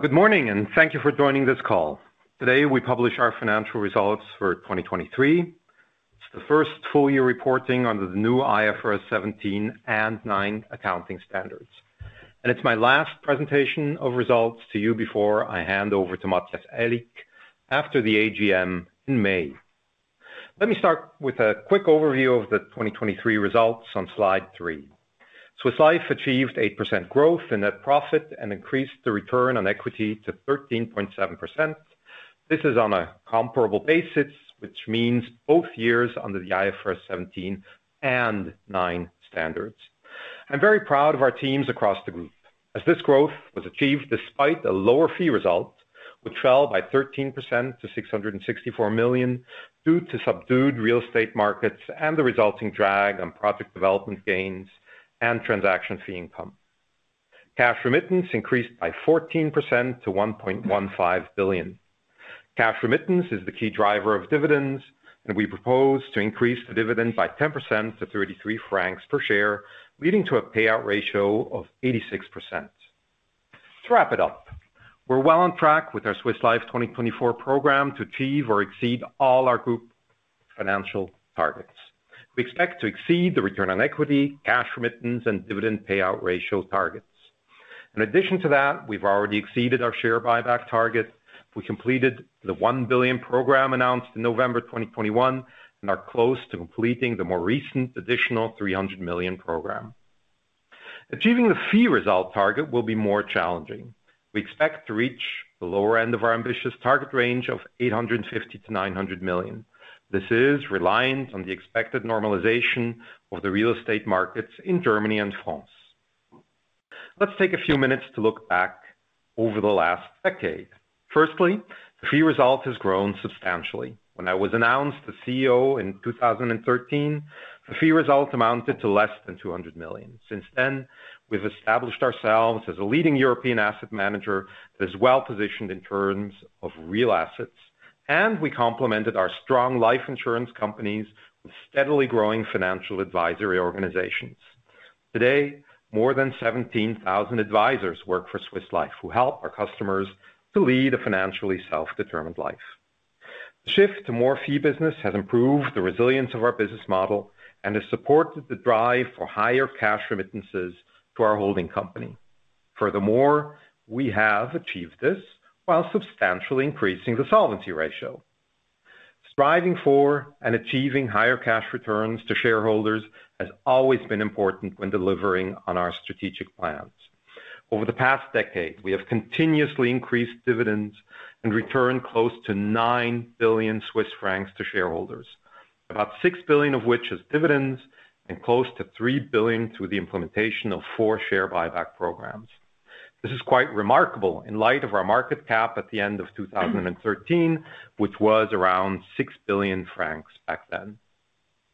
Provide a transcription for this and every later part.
Good morning, and thank you for joining this call. Today we publish our financial results for 2023. It's the first full-year reporting under the new IFRS 17 and 9 accounting standards. It's my last presentation of results to you before I hand over to Matthias Aellig after the AGM in May. Let me start with a quick overview of the 2023 results on slide three. Swiss Life achieved 8% growth in net profit and increased the return on equity to 13.7%. This is on a comparable basis, which means both years under the IFRS 17 and nine standards. I'm very proud of our teams across the group, as this growth was achieved despite a lower fee result, which fell by 13% to 664 million due to subdued real estate markets and the resulting drag on project development gains and transaction fee income. Cash remittance increased by 14% to 1.15 billion. Cash remittance is the key driver of dividends, and we propose to increase the dividend by 10% to 33 francs per share, leading to a payout ratio of 86%. To wrap it up, we're well on track with our Swiss Life 2024 program to achieve or exceed all our group financial targets. We expect to exceed the return on equity, cash remittance, and dividend payout ratio targets. In addition to that, we've already exceeded our share buyback target. We completed the 1 billion program announced in November 2021 and are close to completing the more recent additional 300 million program. Achieving the fee result target will be more challenging. We expect to reach the lower end of our ambitious target range of 850 million-900 million. This is reliant on the expected normalization of the real estate markets in Germany and France. Let's take a few minutes to look back over the last decade. Firstly, the fee result has grown substantially. When I was announced the CEO in 2013, the fee result amounted to less than 200 million. Since then, we've established ourselves as a leading European asset manager that is well positioned in terms of real assets, and we complemented our strong life insurance companies with steadily growing financial advisory organizations. Today, more than 17,000 advisors work for Swiss Life who help our customers to lead a financially self-determined life. The shift to more fee business has improved the resilience of our business model and has supported the drive for higher cash remittances to our holding company. Furthermore, we have achieved this while substantially increasing the solvency ratio. Striving for and achieving higher cash returns to shareholders has always been important when delivering on our strategic plans. Over the past decade, we have continuously increased dividends and returned close to 9 billion Swiss francs to shareholders, about 6 billion of which as dividends and close to 3 billion through the implementation of four share buyback programs. This is quite remarkable in light of our market cap at the end of 2013, which was around 6 billion francs back then.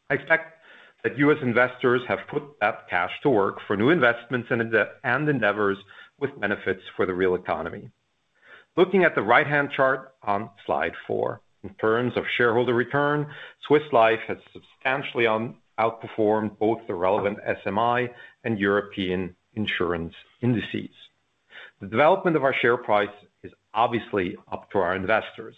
I expect that U.S. investors have put that cash to work for new investments and endeavors with benefits for the real economy. Looking at the right-hand chart on slide 4, in terms of shareholder return, Swiss Life has substantially outperformed both the relevant SMI and European insurance indices. The development of our share price is obviously up to our investors.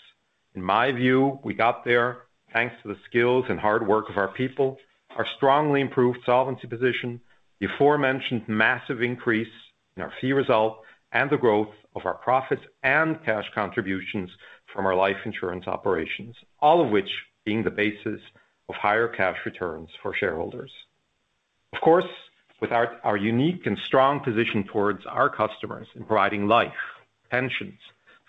In my view, we got there thanks to the skills and hard work of our people, our strongly improved solvency position, the aforementioned massive increase in our fee result, and the growth of our profits and cash contributions from our life insurance operations, all of which being the basis of higher cash returns for shareholders. Of course, without our unique and strong position towards our customers in providing life, pensions,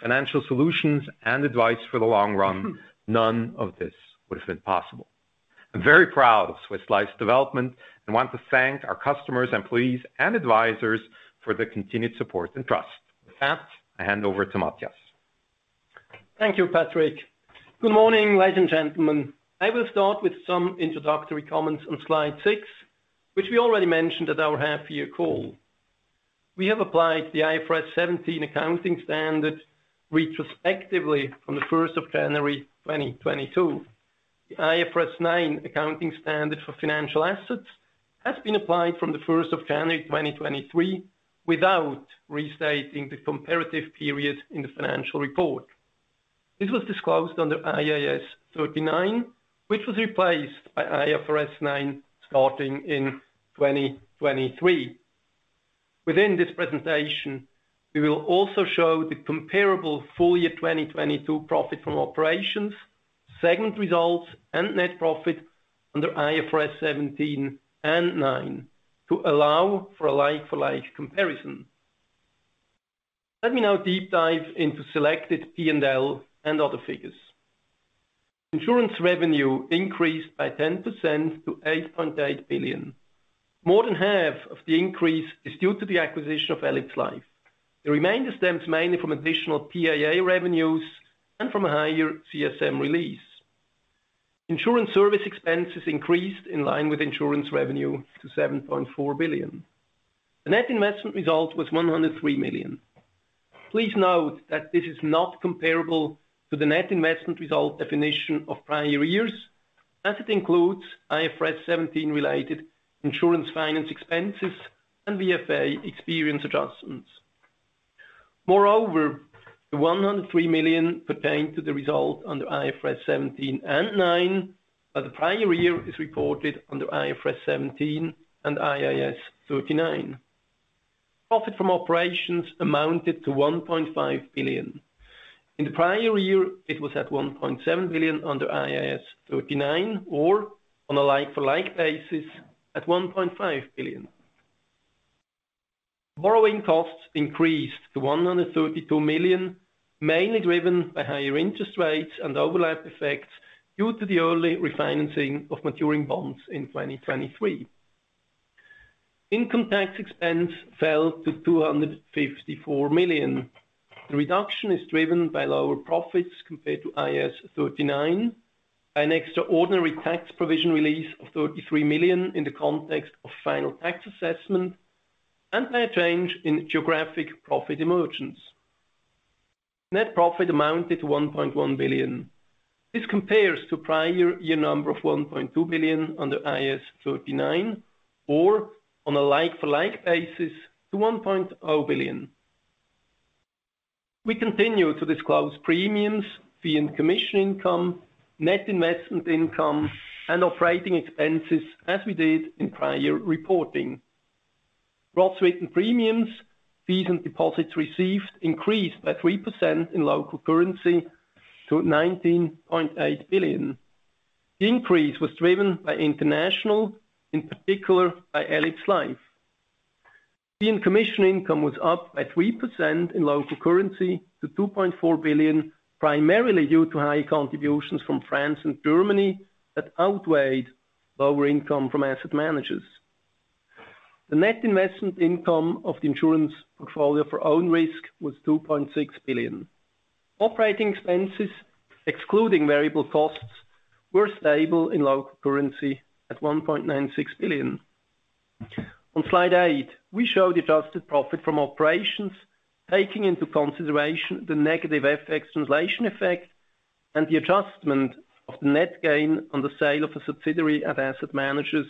financial solutions, and advice for the long run, none of this would have been possible. I'm very proud of Swiss Life's development and want to thank our customers, employees, and advisors for the continued support and trust. With that, I hand over to Matthias. Thank you, Patrick. Good morning, ladies and gentlemen. I will start with some introductory comments on slide six, which we already mentioned at our half-year call. We have applied the IFRS 17 accounting standard retrospectively from the 1st of January 2022. The IFRS 9 accounting standard for financial assets has been applied from the 1st of January 2023 without restating the comparative period in the financial report. This was disclosed under IAS 39, which was replaced by IFRS 9 starting in 2023. Within this presentation, we will also show the comparable full-year 2022 profit from operations, segment results, and net profit under IFRS 17 and 9 to allow for a like-for-like comparison. Let me now deep dive into selected P&L and other figures. Insurance revenue increased by 10% to 8.8 billion. More than half of the increase is due to the acquisition of elipsLife. The remainder stems mainly from additional PIA revenues and from a higher CSM release. Insurance service expenses increased in line with insurance revenue to 7.4 billion. The net investment result was 103 million. Please note that this is not comparable to the net investment result definition of prior years, as it includes IFRS 17-related insurance finance expenses and VFA experience adjustments. Moreover, the 103 million pertained to the result under IFRS 17 and nine, while the prior year is reported under IFRS 17 and IAS 39. Profit from operations amounted to 1.5 billion. In the prior year, it was at 1.7 billion under IAS 39 or, on a like-for-like basis, at 1.5 billion. Borrowing costs increased to 132 million, mainly driven by higher interest rates and overlap effects due to the early refinancing of maturing bonds in 2023. Income tax expense fell to 254 million. The reduction is driven by lower profits compared to IAS 39, by an extraordinary tax provision release of 33 million in the context of final tax assessment, and by a change in geographic profit emergence. Net profit amounted to 1.1 billion. This compares to a prior year number of 1.2 billion under IAS 39 or, on a like-for-like basis, to 1.0 billion. We continue to disclose premiums, fee and commission income, net investment income, and operating expenses as we did in prior reporting. Gross written premiums, fees, and deposits received increased by 3% in local currency to 19.8 billion. The increase was driven by international, in particular by elipsLife. Fee and commission income was up by 3% in local currency to 2.4 billion, primarily due to high contributions from France and Germany that outweighed lower income from asset managers. The net investment income of the insurance portfolio for own risk was 2.6 billion. Operating expenses, excluding variable costs, were stable in local currency at 1.96 billion. On slide eight, we showed adjusted profit from operations, taking into consideration the negative FX translation effect and the adjustment of the net gain on the sale of a subsidiary at asset managers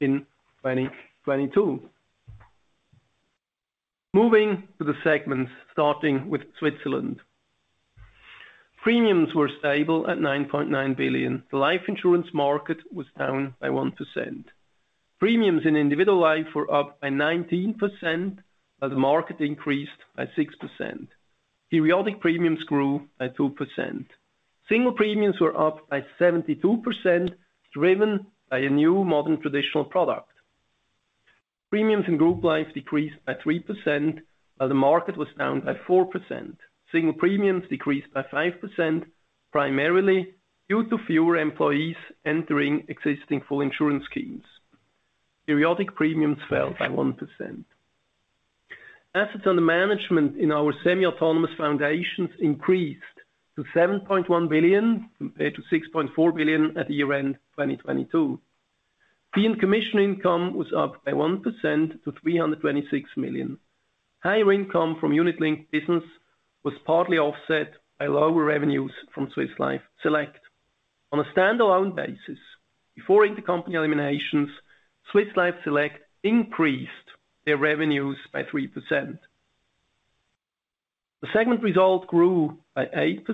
in 2022. Moving to the segment starting with Switzerland. Premiums were stable at 9.9 billion. The life insurance market was down by 1%. Premiums in individual life were up by 19%, while the market increased by 6%. Periodic premiums grew by 2%. Single premiums were up by 72%, driven by a new modern traditional product. Premiums in group life decreased by 3%, while the market was down by 4%. Single premiums decreased by 5%, primarily due to fewer employees entering existing full insurance schemes. Periodic premiums fell by 1%. Assets under management in our semi-autonomous foundations increased to 7.1 billion compared to 6.4 billion at year-end 2022. Fee and commission income was up by 1% to 326 million. Higher income from unit-linked business was partly offset by lower revenues from Swiss Life Select. On a standalone basis, before intercompany eliminations, Swiss Life Select increased their revenues by 3%. The segment result grew by 8%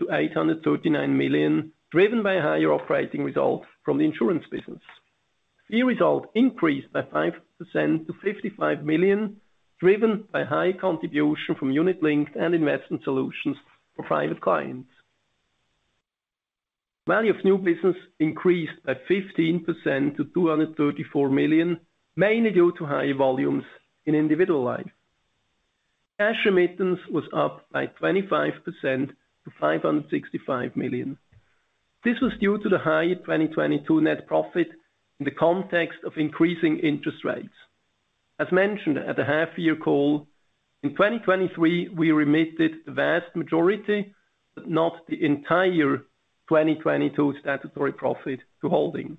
to 839 million, driven by a higher operating result from the insurance business. Fee result increased by 5% to 55 million, driven by high contribution from unit-linked and investment solutions for private clients. Value of new business increased by 15% to 234 million, mainly due to higher volumes in individual life. Cash remittance was up by 25% to 565 million. This was due to the higher 2022 net profit in the context of increasing interest rates. As mentioned at the half-year call, in 2023, we remitted the vast majority, but not the entire 2022 statutory profit, to holding.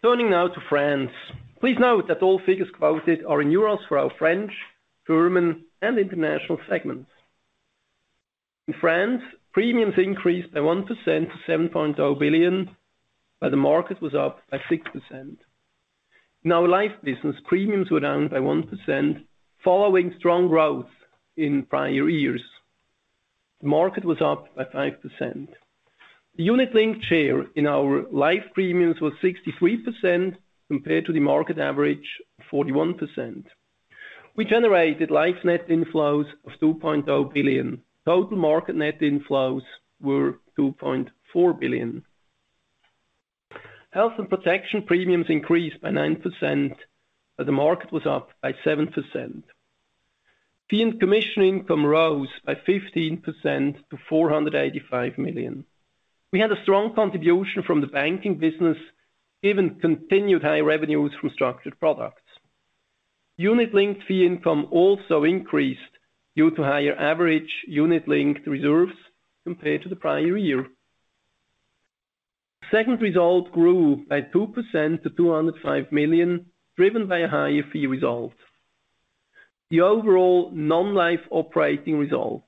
Turning now to France. Please note that all figures quoted are in euros for our French, German, and international segments. In France, premiums increased by 1% to 7.0 billion, while the market was up by 6%. In our life business, premiums were down by 1% following strong growth in prior years. The market was up by 5%. The unit-linked share in our life premiums was 63% compared to the market average of 41%. We generated life net inflows of 2.0 billion. Total market net inflows were 2.4 billion. Health and protection premiums increased by 9%, while the market was up by 7%. Fee and commission income rose by 15% to 485 million. We had a strong contribution from the banking business, given continued high revenues from structured products. Unit-linked fee income also increased due to higher average unit-linked reserves compared to the prior year. The segment result grew by 2% to 205 million, driven by a higher fee result. The overall non-life operating result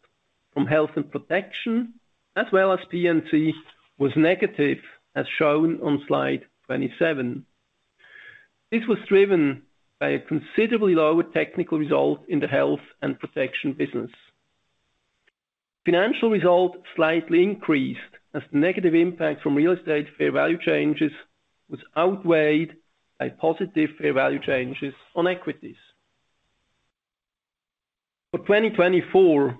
from health and protection, as well as P&C, was negative, as shown on slide 27. This was driven by a considerably lower technical result in the health and protection business. Financial result slightly increased as the negative impact from real estate fair value changes was outweighed by positive fair value changes on equities. For 2024,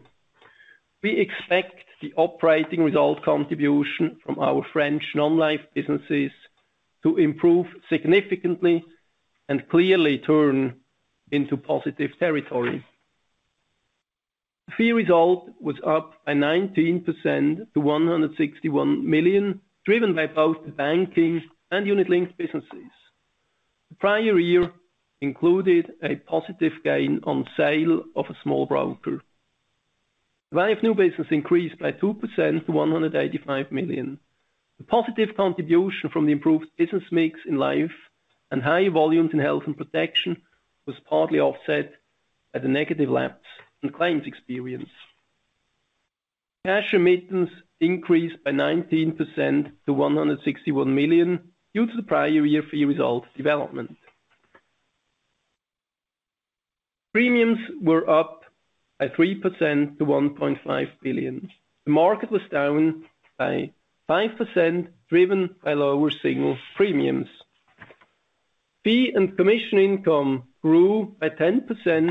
we expect the operating result contribution from our French non-life businesses to improve significantly and clearly turn into positive territory. The fee result was up by 19% to 161 million, driven by both the banking and unit-linked businesses. The prior year included a positive gain on sale of a small broker. The value of new business increased by 2% to 185 million. The positive contribution from the improved business mix in life and higher volumes in health and protection was partly offset by the negative lapse and claims experience. Cash remittance increased by 19% to 161 million due to the prior year fee result development. Premiums were up by 3% to 1.5 billion. The market was down by 5%, driven by lower single premiums. Fee and commission income grew by 10%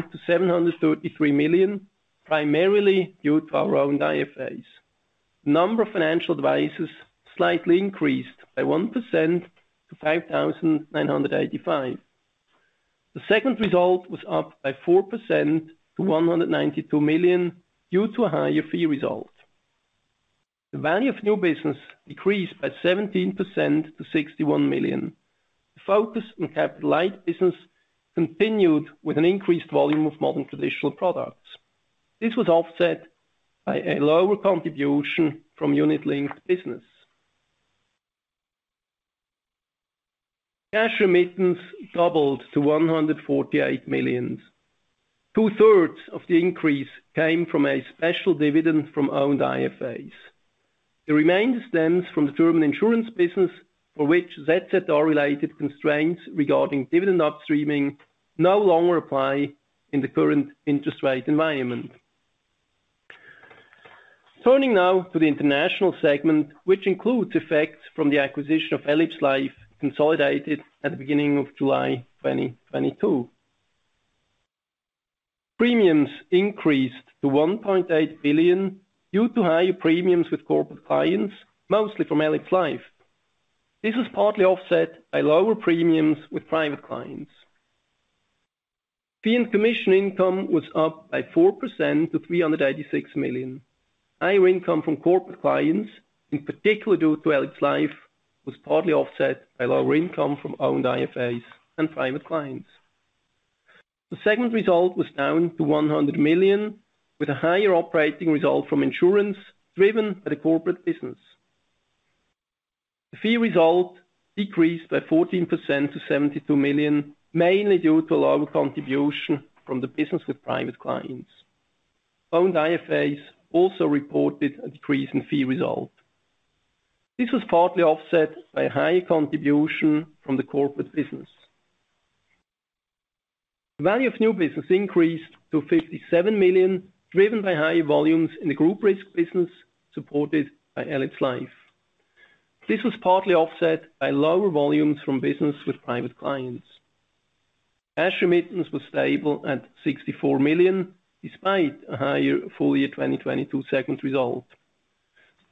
to 733 million, primarily due to our own IFAs. The number of financial advisors slightly increased by 1% to 5,985. The segment result was up by 4% to 192 million due to a higher fee result. The value of new business decreased by 17% to 61 million. The focus on capital light business continued with an increased volume of modern traditional products. This was offset by a lower contribution from unit-linked business. Cash remittance doubled to 148 million. 2/3 of the increase came from a special dividend from owned IFAs. The remainder stems from the German insurance business, for which ZZR-related constraints regarding dividend upstreaming no longer apply in the current interest rate environment. Turning now to the international segment, which includes effects from the acquisition of elipsLife consolidated at the beginning of July 2022. Premiums increased to 1.8 billion due to higher premiums with corporate clients, mostly from elipsLife. This was partly offset by lower premiums with private clients. Fee and commission income was up by 4% to 386 million. Higher income from corporate clients, in particular due to elipsLife, was partly offset by lower income from owned IFAs and private clients. The segment result was down to 100 million, with a higher operating result from insurance, driven by the corporate business. The fee result decreased by 14% to 72 million, mainly due to a lower contribution from the business with private clients. Owned IFAs also reported a decrease in fee result. This was partly offset by a higher contribution from the corporate business. The value of new business increased to 57 million, driven by higher volumes in the group risk business supported by elipsLife. This was partly offset by lower volumes from business with private clients. Cash remittance was stable at 64 million, despite a higher full-year 2022 segment result.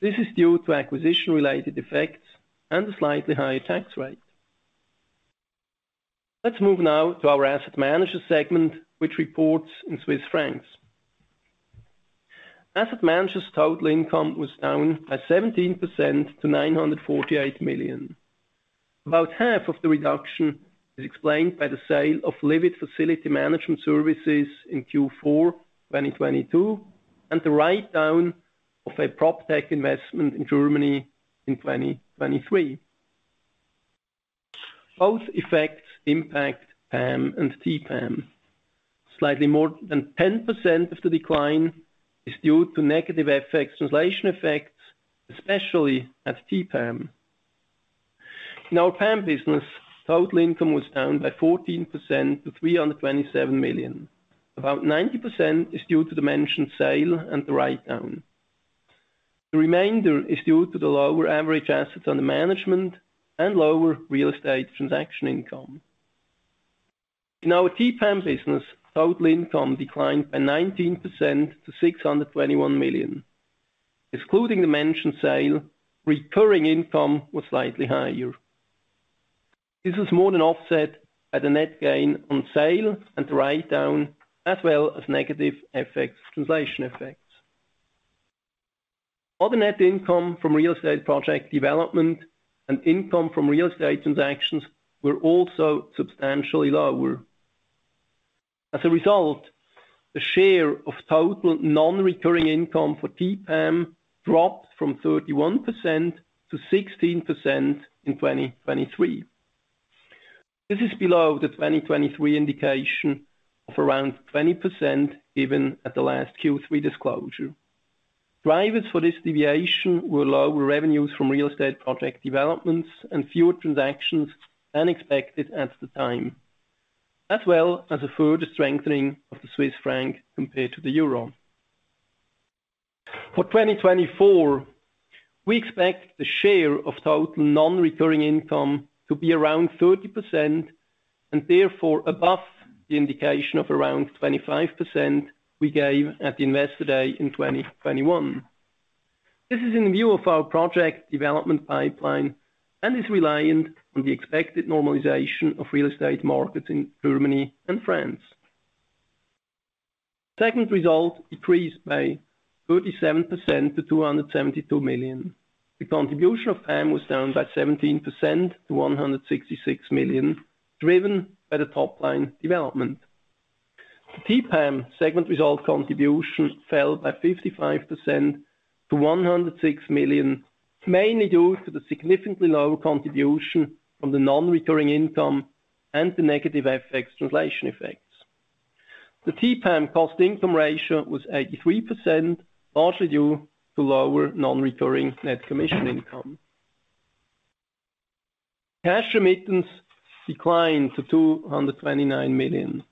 This is due to acquisition-related effects and a slightly higher tax rate. Let's move now to our asset managers segment, which reports in Swiss francs. Asset managers total income was down by 17% to 948 million. About half of the reduction is explained by the sale of Livit facility management services in Q4 2022 and the write-down of a Proptech investment in Germany in 2023. Both effects impact PAM and TPAM. Slightly more than 10% of the decline is due to negative FX translation effects, especially at TPAM. In our PAM business, total income was down by 14% to 327 million. About 90% is due to the mentioned sale and the write-down. The remainder is due to the lower average assets under management and lower real estate transaction income. In our TPAM business, total income declined by 19% to 621 million. Excluding the mentioned sale, recurring income was slightly higher. This was more than offset by the net gain on sale and the write-down, as well as negative FX translation effects. Other net income from real estate project development and income from real estate transactions were also substantially lower. As a result, the share of total non-recurring income for TPAM dropped from 31%-16% in 2023. This is below the 2023 indication of around 20% given at the last Q3 disclosure. Drivers for this deviation were lower revenues from real estate project developments and fewer transactions than expected at the time, as well as a further strengthening of the Swiss franc compared to the euro. For 2024, we expect the share of total non-recurring income to be around 30% and therefore above the indication of around 25% we gave at the investor day in 2021. This is in view of our project development pipeline and is reliant on the expected normalization of real estate markets in Germany and France. Segment result decreased by 37% to 272 million. The contribution of PAM was down by 17% to 166 million, driven by the top-line development. The TPAM segment result contribution fell by 55% to 106 million, mainly due to the significantly lower contribution from the non-recurring income and the negative FX translation effects. The TPAM cost-income ratio was 83%, largely due to lower non-recurring net commission income. Cash remittance declined to 229 million.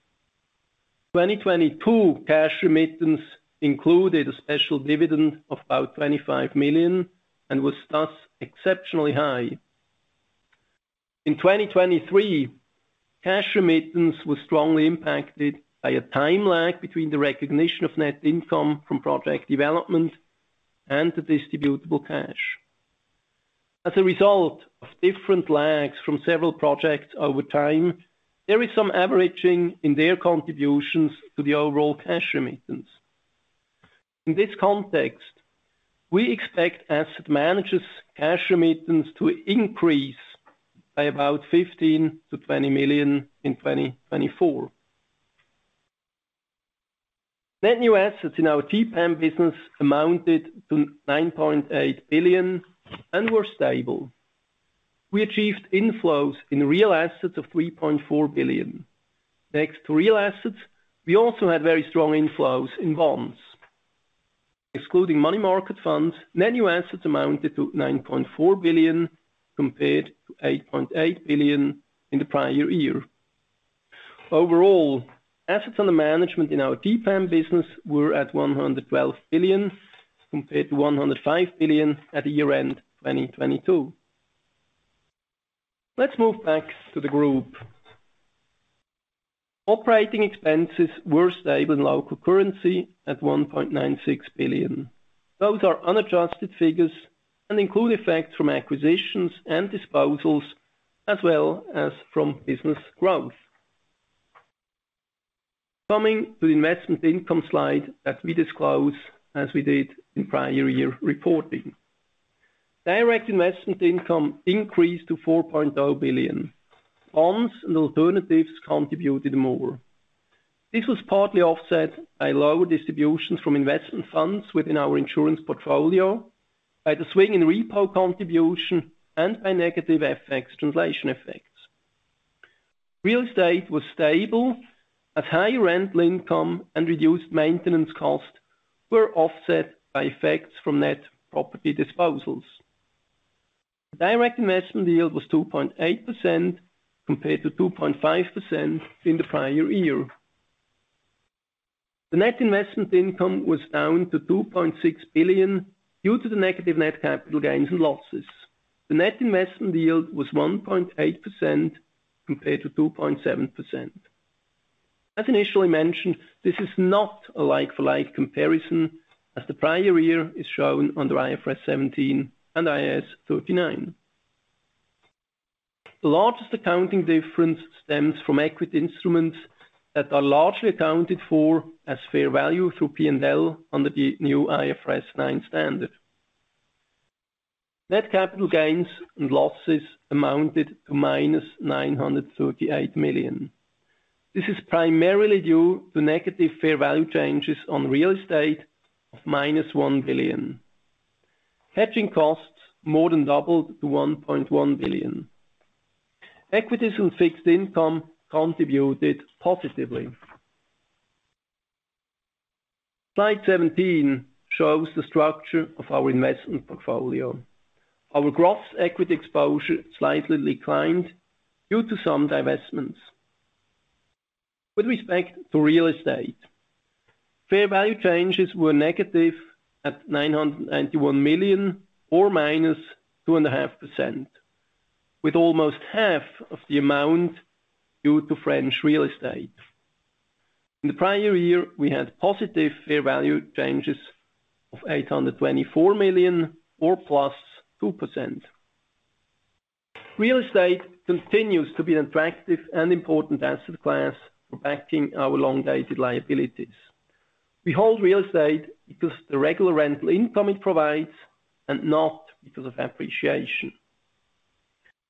2022 cash remittance included a special dividend of about 25 million and was thus exceptionally high. In 2023, cash remittance was strongly impacted by a time lag between the recognition of net income from project development and the distributable cash. As a result of different lags from several projects over time, there is some averaging in their contributions to the overall cash remittance. In this context, we expect asset managers cash remittance to increase by about 15 million-20 million in 2024. Net new assets in our TPAM business amounted to 9.8 billion and were stable. We achieved inflows in real assets of 3.4 billion. Next to real assets, we also had very strong inflows in bonds. Excluding money market funds, net new assets amounted to 9.4 billion compared to 8.8 billion in the prior-year. Overall, assets under management in our TPAM business were at 112 billion compared to 105 billion at year-end 2022. Let's move back to the group. Operating expenses were stable in local currency at 1.96 billion. Those are unadjusted figures and include effects from acquisitions and disposals, as well as from business growth. Coming to the investment income slide that we disclosed as we did in prior year reporting. Direct investment income increased to 4.0 billion. Bonds and alternatives contributed more. This was partly offset by lower distributions from investment funds within our insurance portfolio, by the swing in repo contribution, and by negative FX translation effects. Real estate was stable as higher rental income and reduced maintenance costs were offset by effects from net property disposals. The direct investment yield was 2.8% compared to 2.5% in the prior year. The net investment income was down to 2.6 billion due to the negative net capital gains and losses. The net investment yield was 1.8% compared to 2.7%. As initially mentioned, this is not a like-for-like comparison as the prior year is shown under IFRS 17 and IAS 39. The largest accounting difference stems from equity instruments that are largely accounted for as fair value through P&L under the new IFRS 9 standard. Net capital gains and losses amounted to -938 million. This is primarily due to negative fair value changes on real estate of -1 billion. Hedging costs more than doubled to 1.1 billion. Equities and fixed income contributed positively. Slide 17 shows the structure of our investment portfolio. Our gross equity exposure slightly declined due to some divestments. With respect to real estate, fair value changes were negative at 991 million or -2.5%, with almost half of the amount due to French real estate. In the prior year, we had positive fair value changes of 824 million or +2%. Real estate continues to be an attractive and important asset class for backing our long-dated liabilities. We hold real estate because of the regular rental income it provides and not because of appreciation.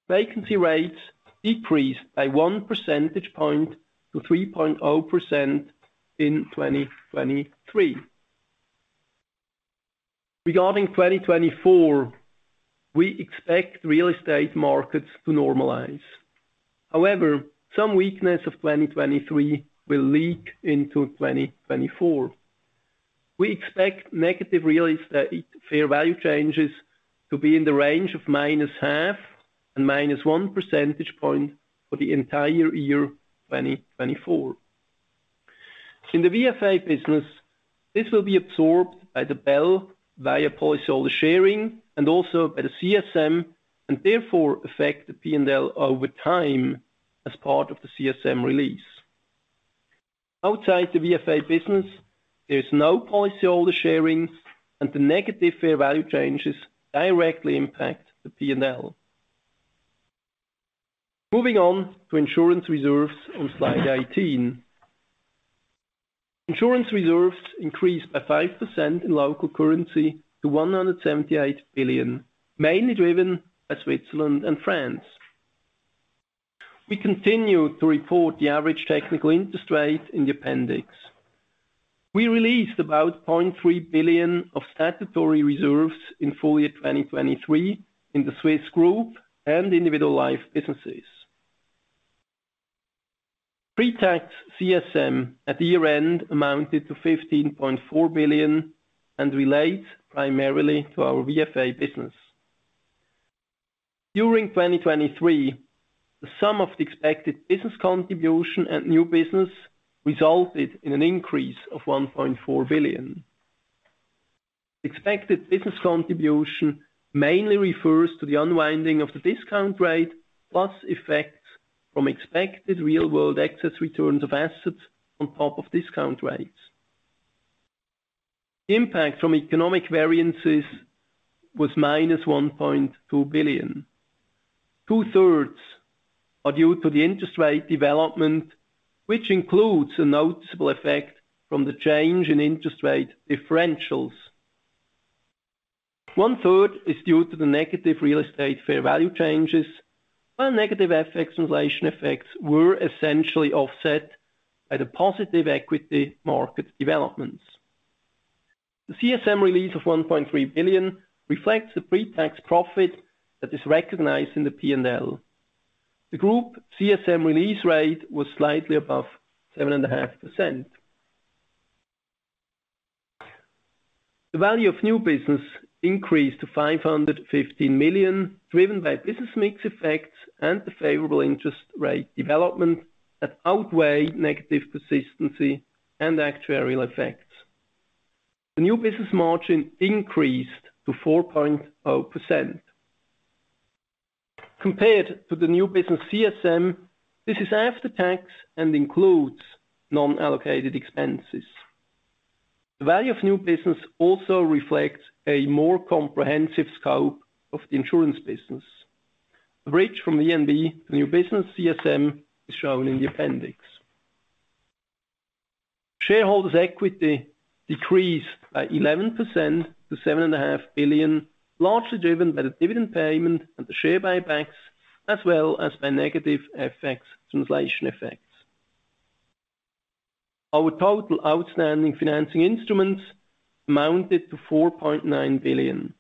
Vacancy rates decreased by one percentage point to 3.0% in 2023. Regarding 2024, we expect real estate markets to normalize. However, some weakness of 2023 will leak into 2024. We expect negative real estate fair value changes to be in the range of -0.5 and -1 percentage point for the entire year 2024. In the VFA business, this will be absorbed by the BEL via policyholder sharing and also by the CSM and therefore affect the P&L over time as part of the CSM release. Outside the VFA business, there is no policyholder sharing and the negative fair value changes directly impact the P&L. Moving on to insurance reserves on slide 18. Insurance reserves increased by 5% in local currency to 178 billion, mainly driven by Switzerland and France. We continue to report the average technical interest rate in the appendix. We released about 0.3 billion of statutory reserves in full year 2023 in the Swiss group and individual life businesses. Pre-tax CSM at year-end amounted to 15.4 billion and relates primarily to our VFA business. During 2023, the sum of the expected business contribution and new business resulted in an increase of 1.4 billion. The expected business contribution mainly refers to the unwinding of the discount rate plus effects from expected real-world excess returns of assets on top of discount rates. The impact from economic variances was minus 1.2 billion. 2/3 are due to the interest rate development, which includes a noticeable effect from the change in interest rate differentials. One-third is due to the negative real estate fair value changes, while negative FX translation effects were essentially offset by the positive equity market developments. The CSM release of 1.3 billion reflects the pre-tax profit that is recognized in the P&L. The group CSM release rate was slightly above 7.5%. The value of new business increased to 515 million, driven by business mix effects and the favorable interest rate development that outweigh negative persistency and actuarial effects. The new business margin increased to 4.0%. Compared to the new business CSM, this is after tax and includes non-allocated expenses. The value of new business also reflects a more comprehensive scope of the insurance business. The bridge from VNB to new business CSM is shown in the appendix. Shareholders' equity decreased by 11% to 7.5 billion, largely driven by the dividend payment and the share buybacks, as well as by negative FX translation effects. Our total outstanding financing instruments amounted to 4.9 billion.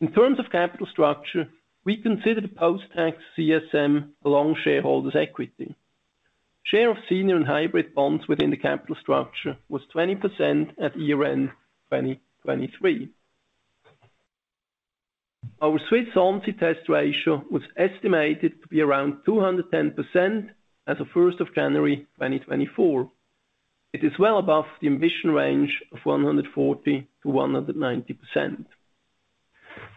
In terms of capital structure, we consider the post-tax CSM along shareholders' equity. The share of senior and hybrid bonds within the capital structure was 20% at year-end 2023. Our Swiss Solvency Test ratio was estimated to be around 210% as of 1st of January 2024. It is well above the ambition range of 140%-190%.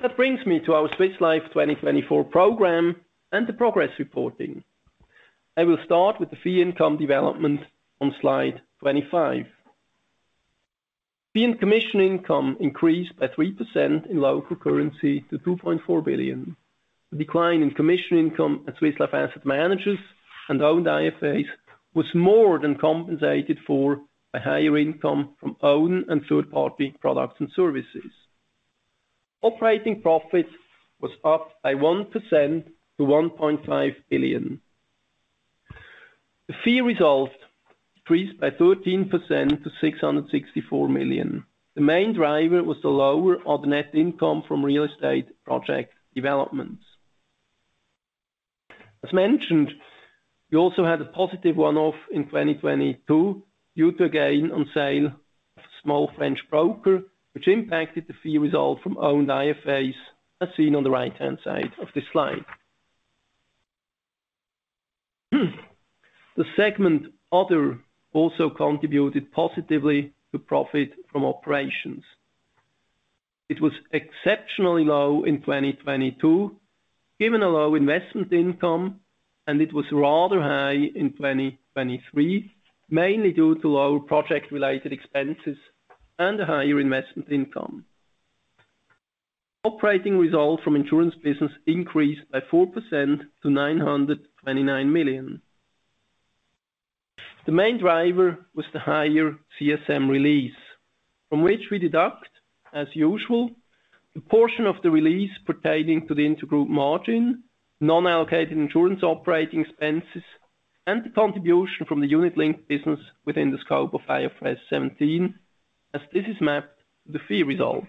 That brings me to our Swiss Life 2024 program and the progress reporting. I will start with the fee income development on slide 25. Fee and commission income increased by 3% in local currency to 2.4 billion. The decline in commission income at Swiss Life Asset Managers and owned IFAs was more than compensated for by higher income from owned and third-party products and services. Operating profit was up by 1% to 1.5 billion. The fee result decreased by 13% to 664 million. The main driver was the lower other net income from real estate project developments. As mentioned, we also had a positive one-off in 2022 due to a gain on sale of a small French broker, which impacted the fee result from owned IFAs as seen on the right-hand side of this slide. The segment other also contributed positively to profit from operations. It was exceptionally low in 2022 given a low investment income, and it was rather high in 2023 mainly due to lower project-related expenses and a higher investment income. Operating result from insurance business increased by 4% to 929 million. The main driver was the higher CSM release, from which we deduct, as usual, the portion of the release pertaining to the intergroup margin, non-allocated insurance operating expenses, and the contribution from the unit-linked business within the scope of IFRS 17 as this is mapped to the fee result.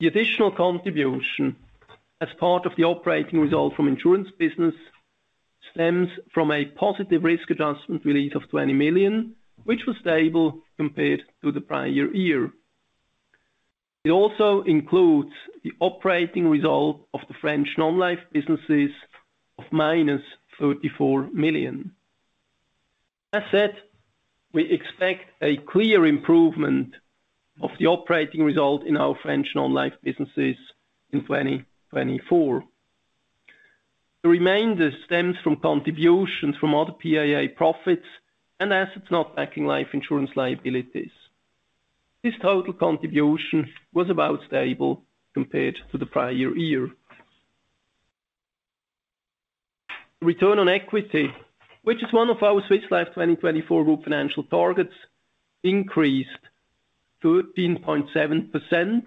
The additional contribution as part of the operating result from insurance business stems from a positive risk adjustment release of 20 million, which was stable compared to the prior year. It also includes the operating result of the French non-life businesses of minus 34 million. As said, we expect a clear improvement of the operating result in our French non-life businesses in 2024. The remainder stems from contributions from other PIA profits and assets not backing life insurance liabilities. This total contribution was about stable compared to the prior year. The return on equity, which is one of our Swiss Life 2024 group financial targets, increased 13.7%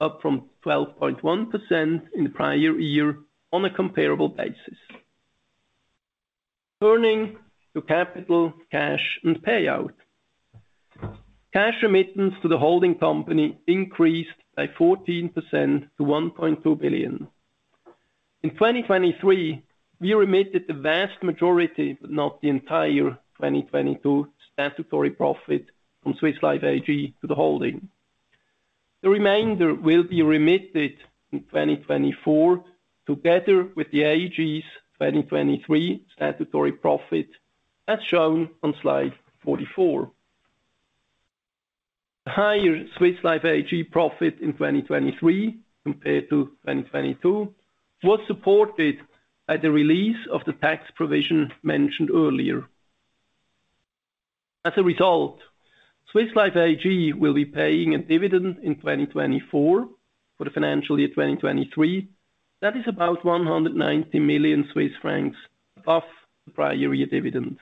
up from 12.1% in the prior year on a comparable basis. Turning to capital, cash, and payout. Cash remittance to the holding company increased by 14% to 1.2 billion. In 2023, we remitted the vast majority but not the entire 2022 statutory profit from Swiss Life AG to the holding. The remainder will be remitted in 2024 together with the AG's 2023 statutory profit as shown on slide 44. The higher Swiss Life AG profit in 2023 compared to 2022 was supported by the release of the tax provision mentioned earlier. As a result, Swiss Life AG will be paying a dividend in 2024 for the financial year 2023 that is about 190 million Swiss francs above the prior-year dividend.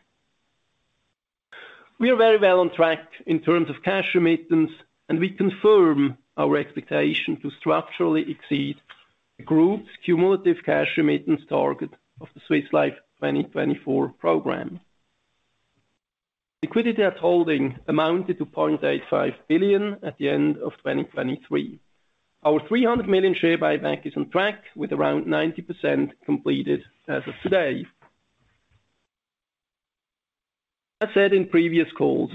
We are very well on track in terms of cash emittance, and we confirm our expectation to structurally exceed the group's cumulative cash emittance target of the Swiss Life 2024 program. Liquidity at holding amounted to 0.85 billion at the end of 2023. Our 300 million share buyback is on track with around 90% completed as of today. As said in previous calls,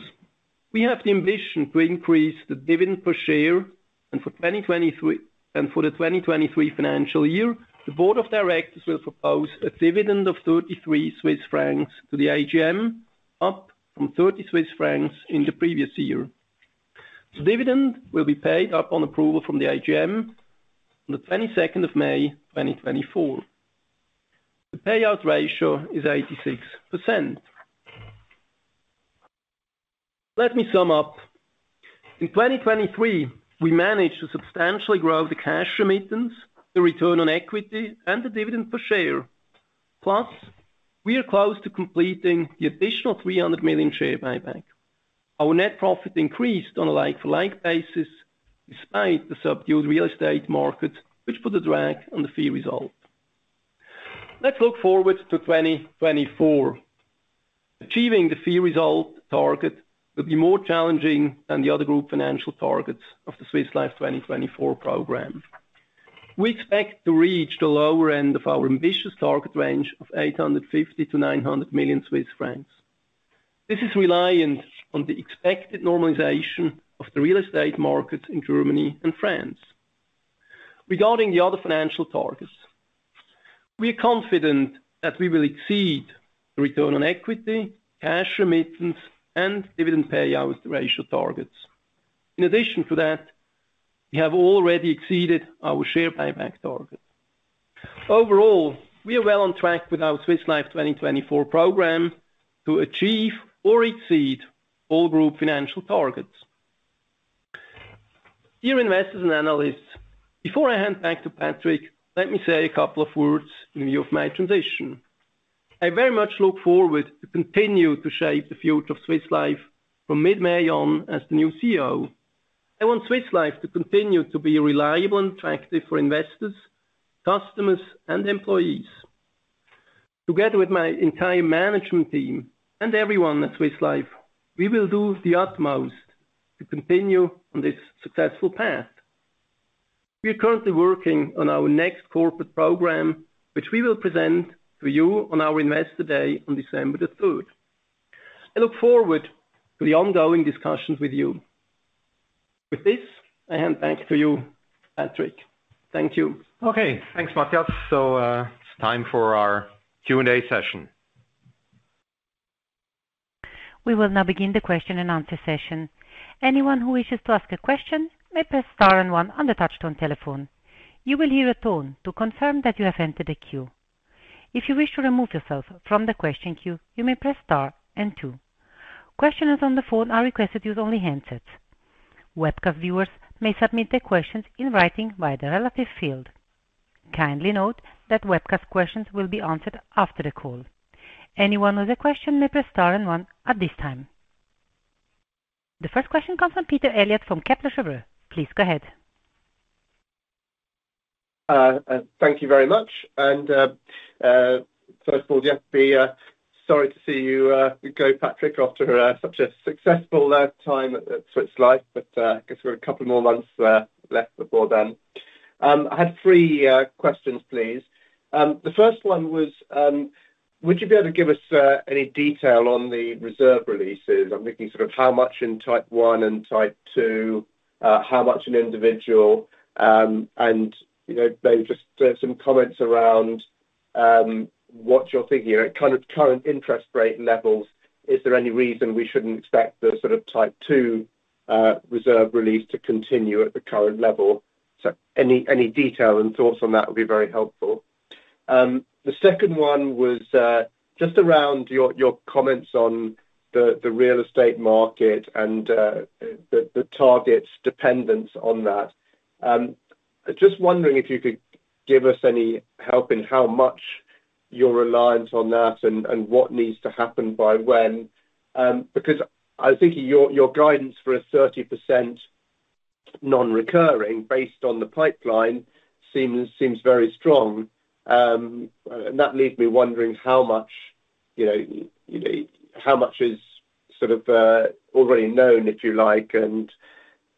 we have the ambition to increase the dividend per share, and for 2023 and for the 2023 financial year, the board of directors will propose a dividend of 33 Swiss francs to the AGM up from 30 Swiss francs in the previous year. The dividend will be paid upon approval from the AGM on the 22nd of May 2024. The payout ratio is 86%. Let me sum up. In 2023, we managed to substantially grow the cash remittance, the return on equity, and the dividend per share, plus we are close to completing the additional 300 million share buyback. Our net profit increased on a like-for-like basis despite the subdued real estate market, which put a drag on the fee result. Let's look forward to 2024. Achieving the fee result target will be more challenging than the other group financial targets of the Swiss Life 2024 program. We expect to reach the lower end of our ambitious target range of 850 million-900 million Swiss francs. This is reliant on the expected normalization of the real estate markets in Germany and France. Regarding the other financial targets, we are confident that we will exceed the return on equity, cash remittance, and dividend payout ratio targets. In addition to that, we have already exceeded our share buyback target. Overall, we are well on track with our Swiss Life 2024 program to achieve or exceed all group financial targets. Dear investors and analysts, before I hand back to Patrick, let me say a couple of words in view of my transition. I very much look forward to continue to shape the future of Swiss Life from mid-May on as the new CEO. I want Swiss Life to continue to be reliable and attractive for investors, customers, and employees. Together with my entire management team and everyone at Swiss Life, we will do the utmost to continue on this successful path. We are currently working on our next corporate program, which we will present to you on our investor day on December the 3rd. I look forward to the ongoing discussions with you. With this, I hand back to you, Patrick. Thank you. Okay. Thanks, Matthias. So it's time for our Q&A session. We will now begin the question and answer session. Anyone who wishes to ask a question may press star and one on the touch-tone telephone. You will hear a tone to confirm that you have entered the queue. If you wish to remove yourself from the question queue, you may press star and two. Questions on the phone are requested to use only handsets. Webcast viewers may submit their questions in writing via the relevant field. Kindly note that webcast questions will be answered after the call. Anyone with a question may press star and one at this time. The first question comes from Peter Eliot from Kepler Cheuvreux. Please go ahead. Thank you very much. And first of all, yes, I'm sorry to see you go, Patrick, after such a successful time at Swiss Life, but I guess we've got a couple more months left before then. I had three questions, please. The first one was, would you be able to give us any detail on the reserve releases? I'm thinking sort of how much in type one and type two, how much an individual, and maybe just some comments around what you're thinking. At current interest rate levels, is there any reason we shouldn't expect the sort of type two reserve release to continue at the current level? So any detail and thoughts on that would be very helpful. The second one was just around your comments on the real estate market and the targets' dependence on that. Just wondering if you could give us any help in how much you're reliant on that and what needs to happen by when. Because I think your guidance for a 30% non-recurring based on the pipeline seems very strong. And that leaves me wondering how much is sort of already known, if you like.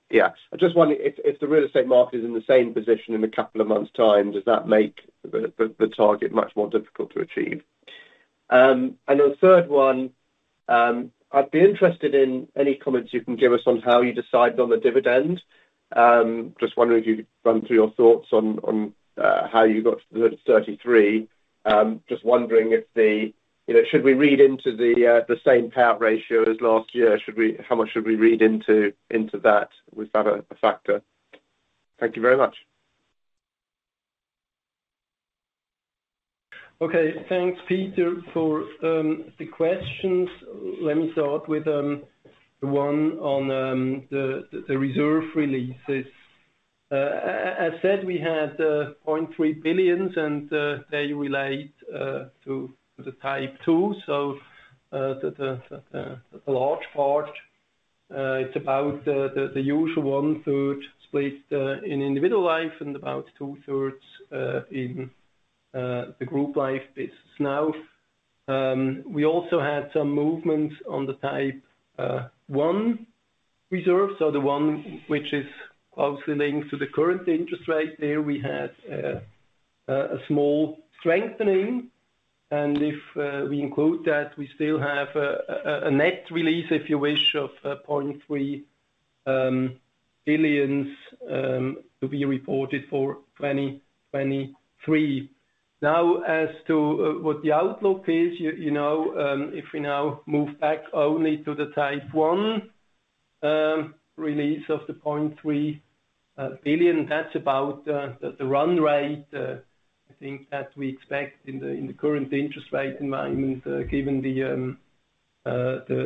Yeah, I just wonder if the real estate market is in the same position in a couple of months' time, does that make the target much more difficult to achieve? And the third one, I'd be interested in any comments you can give us on how you decided on the dividend. Just wondering if you could run through your thoughts on how you got to 33. Just wondering if we should read into the same payout ratio as last year? How much should we read into that as a factor? Thank you very much. Okay. Thanks, Peter, for the questions. Let me start with the one on the reserve releases. As said, we had 0.3 billion, and they relate to the type two. So the large part, it's about the usual one-third split in individual life and about 2/3 in the group life business. Now, we also had some movements on the type one reserve. So the one, which is closely linked to the current interest rate there, we had a small strengthening. If we include that, we still have a net release, if you wish, of 0.3 billion to be reported for 2023. Now, as to what the outlook is, if we now move back only to the type one release of the 0.3 billion, that's about the run rate, I think, that we expect in the current interest rate environment given the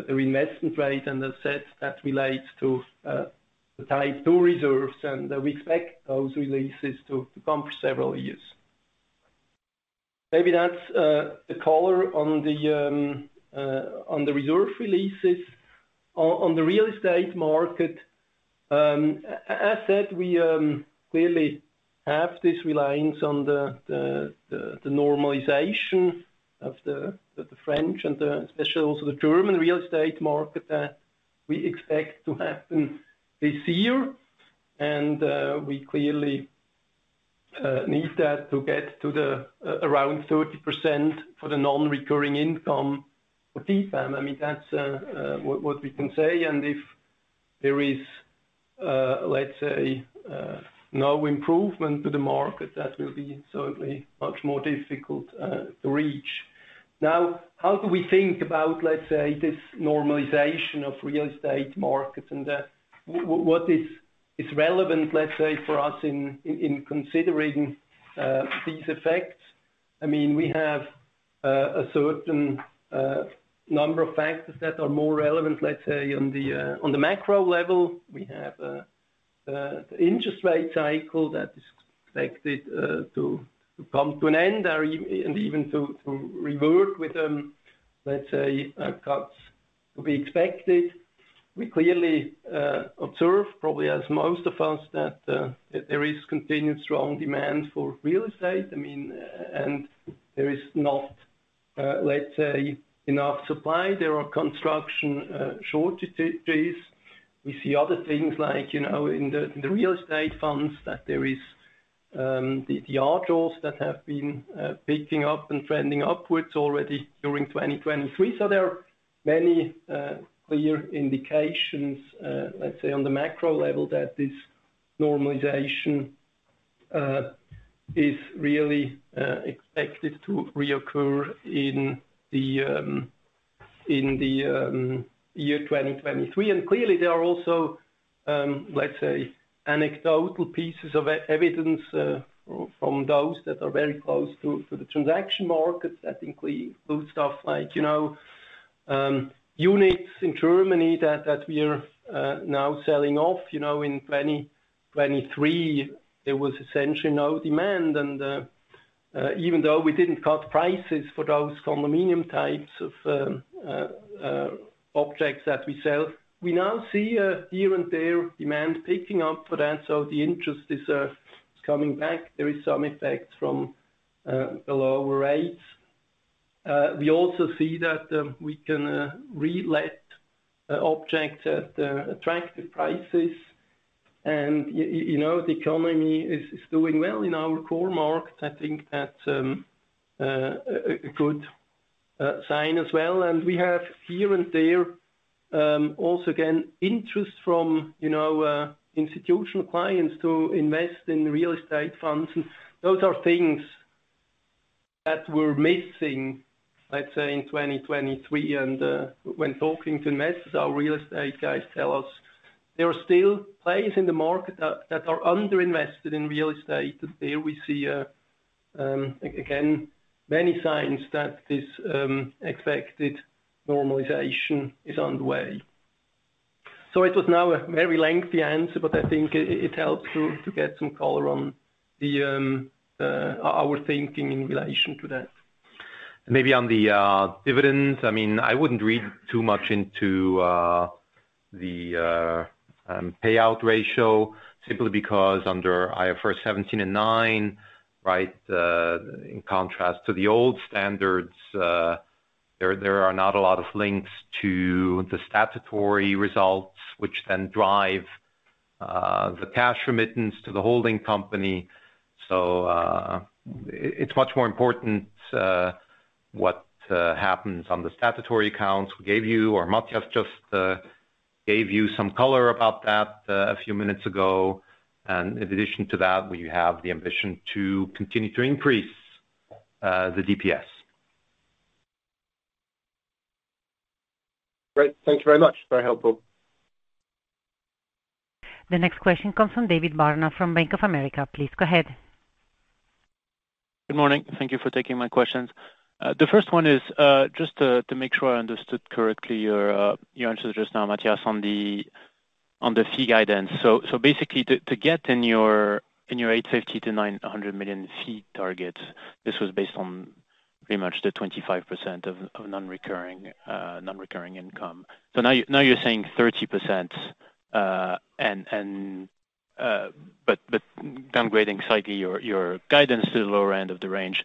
reinvestment rate and the sets that relate to the type two reserves. We expect those releases to come for several years. Maybe that's the color on the reserve releases. On the real estate market, as said, we clearly have this reliance on the normalization of the French and especially also the German real estate market that we expect to happen this year. And we clearly need that to get to around 30% for the non-recurring income for TPAM. I mean, that's what we can say. And if there is, let's say, no improvement to the market, that will be certainly much more difficult to reach. Now, how do we think about, let's say, this normalization of real estate markets? And what is relevant, let's say, for us in considering these effects? I mean, we have a certain number of factors that are more relevant, let's say, on the macro level. We have the interest rate cycle that is expected to come to an end and even to revert with, let's say, cuts to be expected. We clearly observe, probably as most of us, that there is continued strong demand for real estate. I mean, and there is not, let's say, enough supply. There are construction shortages. We see other things like in the real estate funds that there is the yields that have been picking up and trending upwards already during 2023. So there are many clear indications, let's say, on the macro level that this normalization is really expected to reoccur in the year 2023. And clearly, there are also, let's say, anecdotal pieces of evidence from those that are very close to the transaction markets. I think we include stuff like units in Germany that we are now selling off. In 2023, there was essentially no demand. Even though we didn't cut prices for those condominium types of objects that we sell, we now see here and there demand picking up for that. The interest is coming back. There is some effect from the lower rates. We also see that we can relet objects at attractive prices. The economy is doing well in our core markets. I think that's a good sign as well. We have here and there also, again, interest from institutional clients to invest in real estate funds. Those are things that were missing, let's say, in 2023. When talking to investors, our real estate guys tell us there are still plays in the market that are underinvested in real estate. There we see, again, many signs that this expected normalization is underway. So it was now a very lengthy answer, but I think it helps to get some color on our thinking in relation to that. And maybe on the dividends, I mean, I wouldn't read too much into the payout ratio simply because under IFRS 17 and 9, right, in contrast to the old standards, there are not a lot of links to the statutory results, which then drive the cash remittance to the holding company. So it's much more important what happens on the statutory accounts we gave you, or Matthias just gave you some color about that a few minutes ago. And in addition to that, we have the ambition to continue to increase the DPS. Great. Thank you very much. Very helpful. The next question comes from David Barma from Bank of America. Please go ahead. Good morning. Thank you for taking my questions. The first one is just to make sure I understood correctly your answer just now, Matthias, on the fee guidance. So basically, to get in your 850-900 million fee target, this was based on pretty much the 25% of non-recurring income. So now you're saying 30%, but downgrading slightly your guidance to the lower end of the range.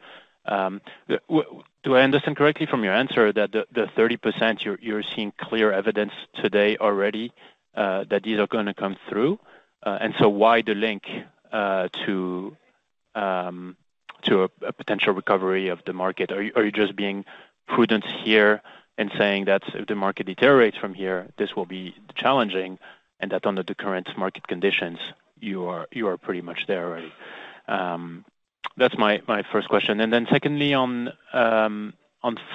Do I understand correctly from your answer that the 30%, you're seeing clear evidence today already that these are going to come through? And so why the link to a potential recovery of the market? Are you just being prudent here in saying that if the market deteriorates from here, this will be challenging and that under the current market conditions, you are pretty much there already? That's my first question. And then secondly, on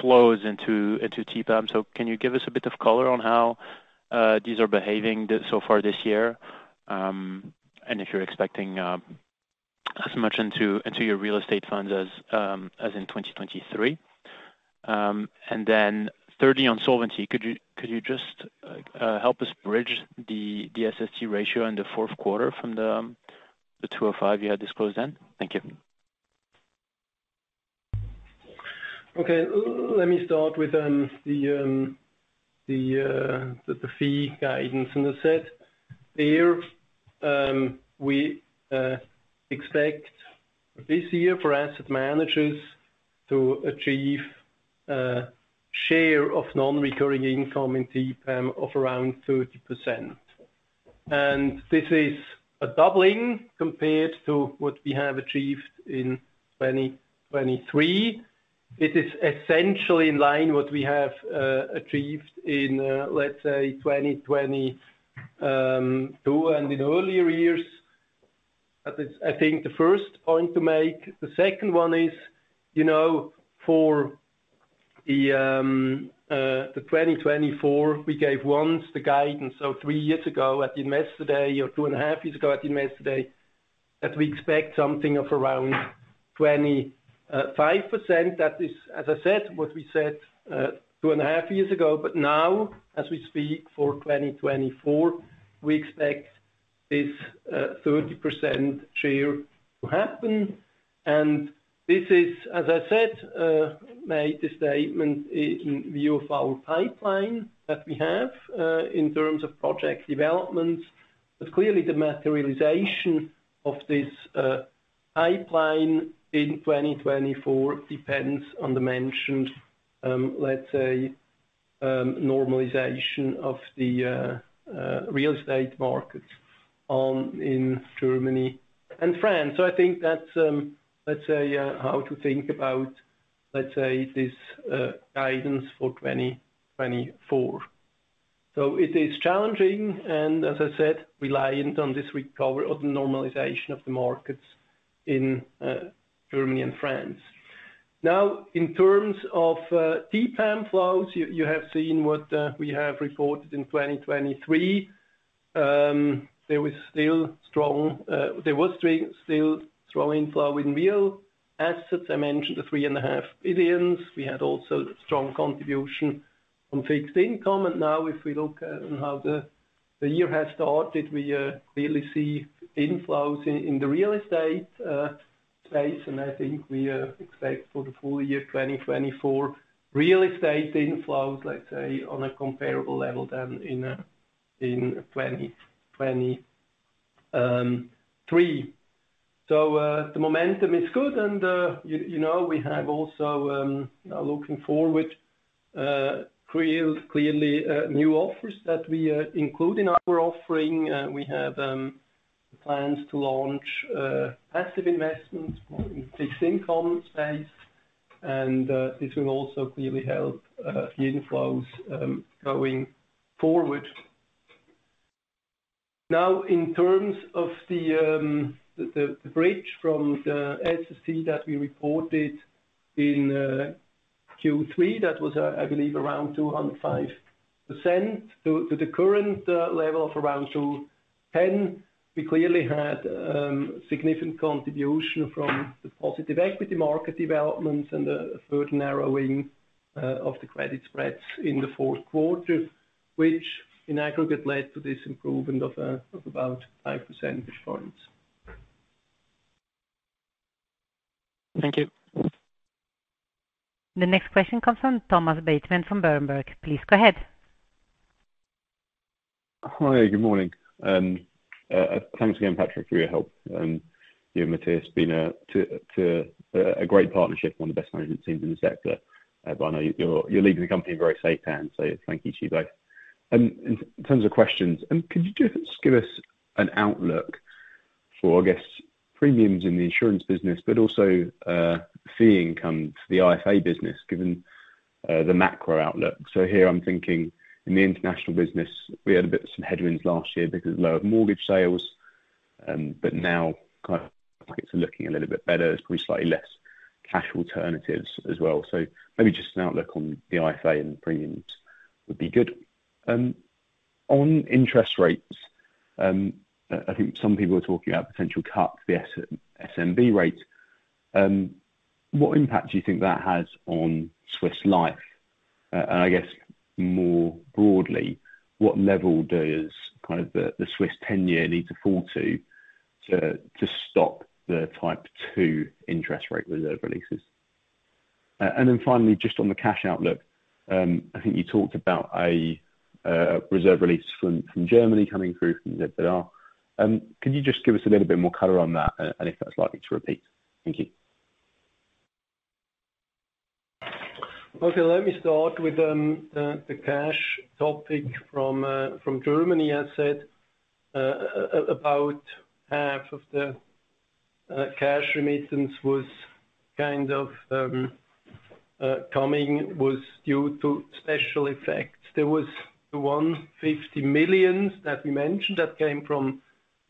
flows into TPAM, so can you give us a bit of color on how these are behaving so far this year and if you're expecting as much into your real estate funds as in 2023? And then thirdly, on solvency, could you just help us bridge the SST ratio in the fourth quarter from the 205 you had disclosed then? Thank you. Okay. Let me start with the fee guidance. And as said there, we expect this year for asset managers to achieve a share of non-recurring income in TPAM of around 30%. And this is a doubling compared to what we have achieved in 2023. It is essentially in line with what we have achieved in, let's say, 2022 and in earlier years. I think the first point to make, the second one is for the 2024, we gave once the guidance. So three years ago at the investor day or 2.5 years ago at the investor day, that we expect something of around 25%. That is, as I said, what we said 2.5 years ago. But now, as we speak for 2024, we expect this 30% share to happen. And this is, as I said, made the statement in view of our pipeline that we have in terms of project developments. But clearly, the materialization of this pipeline in 2024 depends on the mentioned, let's say, normalization of the real estate markets in Germany and France. So I think that's, let's say, how to think about, let's say, this guidance for 2024. So it is challenging and, as I said, reliant on this recovery or the normalization of the markets in Germany and France. Now, in terms of TPAM flows, you have seen what we have reported in 2023. There was still strong inflow in real assets. I mentioned the 3.5 billion. We had also strong contribution from fixed income. And now, if we look at how the year has started, we clearly see inflows in the real estate space. And I think we expect for the full year 2024, real estate inflows, let's say, on a comparable level than in 2023. So the momentum is good. And we have also, now looking forward, clearly new offers that we include in our offering. We have plans to launch passive investments in the fixed income space. And this will also clearly help the inflows going forward. Now, in terms of the bridge from the SST that we reported in Q3, that was, I believe, around 205% to the current level of around 210%, we clearly had significant contribution from the positive equity market developments and the further narrowing of the credit spreads in the fourth quarter, which in aggregate led to this improvement of about 5 percentage points. Thank you. The next question comes from Thomas Bateman from Berenberg. Please go ahead. Hi. Good morning. Thanks again, Patrick, for your help. You and Matthias have been a great partnership, one of the best management teams in the sector. But I know you're leaving the company in very safe hands. So thank you to you both. In terms of questions, could you just give us an outlook for, I guess, premiums in the insurance business, but also fee income for the IFA business given the macro outlook? So here, I'm thinking in the international business, we had a bit of some headwinds last year because of low mortgage sales. But now, markets are looking a little bit better. There's probably slightly less cash alternatives as well. So maybe just an outlook on the IFA and premiums would be good. On interest rates, I think some people are talking about potential cuts, the SNB rate. What impact do you think that has on Swiss Life? And I guess more broadly, what level does kind of the Swiss 10-year need to fall to to stop the type two interest rate reserve releases? And then finally, just on the cash outlook, I think you talked about a reserve release from Germany coming through from ZZR. Could you just give us a little bit more color on that and if that's likely to repeat? Thank you. Let me start with the cash topic from Germany, as said. About half of the cash remittance was kind of due to special effects. There was the 150 million that we mentioned that came from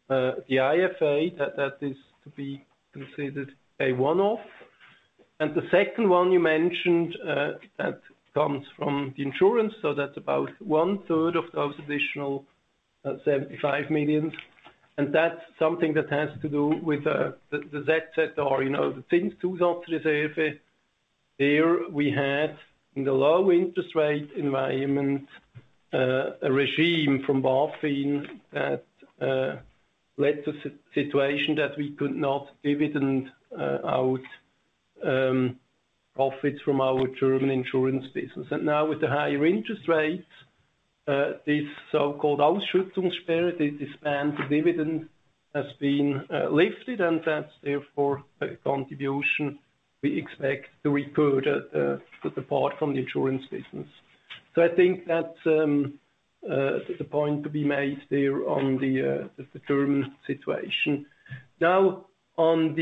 the IFA that is to be considered a one-off. And the second one you mentioned that comes from the insurance. So that's about one-third of those additional 75 million. And that's something that has to do with the ZZR. Up to 2030, we had, in the low interest rate environment, a regime from BaFin that led to a situation that we could not dividend out profits from our German insurance business. And now, with the higher interest rates, this so-called Ausschüttungssperre, the ban on dividend, has been lifted. And that's, therefore, a contribution we expect to recur for the part from the insurance business. So I think that's the point to be made there on the German situation. Now, on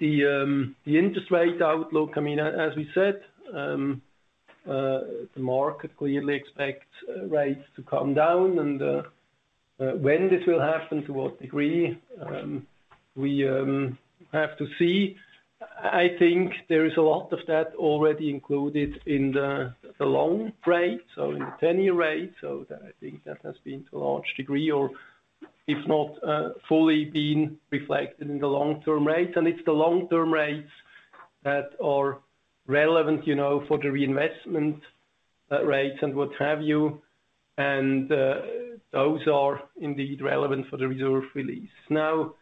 the interest rate outlook, I mean, as we said, the market clearly expects rates to come down. And when this will happen, to what degree, we have to see. I think there is a lot of that already included in the long rate, so in the 10-year rate. So I think that has been, to a large degree, or if not fully, been reflected in the long-term rates. And it's the long-term rates that are relevant for the reinvestment rates and what have you. And those are indeed relevant for the reserve release. Now,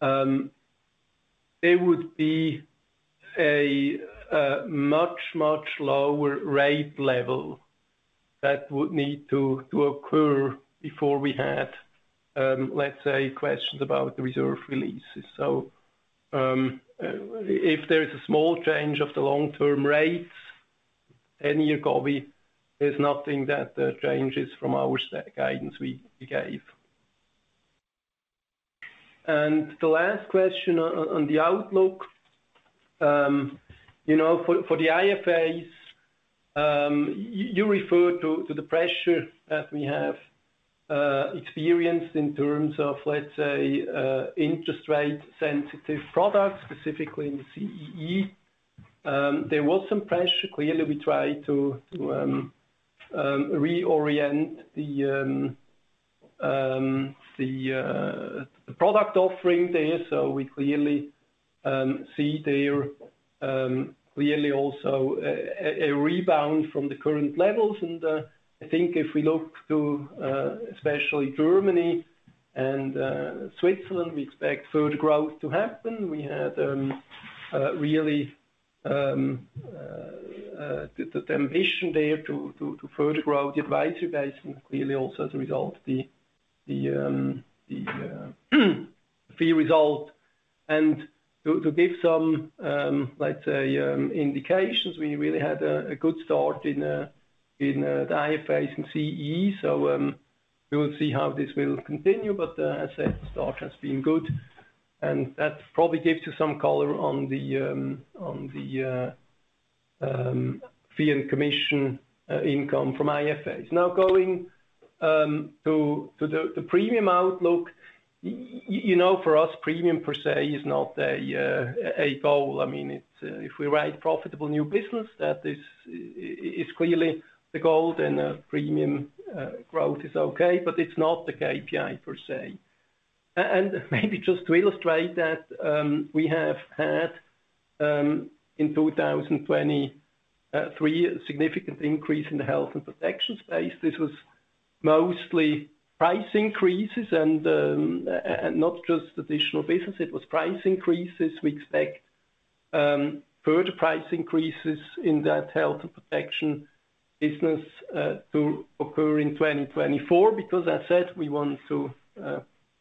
there would be a much, much lower rate level that would need to occur before we had, let's say, questions about the reserve releases. So if there is a small change of the long-term rates, 10-year yield, there's nothing that changes from our guidance we gave. And the last question on the outlook, for the IFAs, you refer to the pressure that we have experienced in terms of, let's say, interest-rate-sensitive products, specifically in the CEE. There was some pressure. Clearly, we tried to reorient the product offering there. So we clearly see there clearly also a rebound from the current levels. And I think if we look to especially Germany and Switzerland, we expect further growth to happen. We had really the ambition there to further grow the advisory base and clearly also as a result, the fee result. And to give some, let's say, indications, we really had a good start in the IFAs and CEE. So we will see how this will continue. But as said, the start has been good. That probably gives you some color on the fee and commission income from IFAs. Now, going to the premium outlook, for us, premium per se is not a goal. I mean, if we write profitable new business, that is clearly the goal. Then premium growth is okay. But it's not the KPI per se. And maybe just to illustrate that, we have had in 2023 a significant increase in the health and protection space. This was mostly price increases and not just additional business. It was price increases. We expect further price increases in that health and protection business to occur in 2024 because, as said, we want to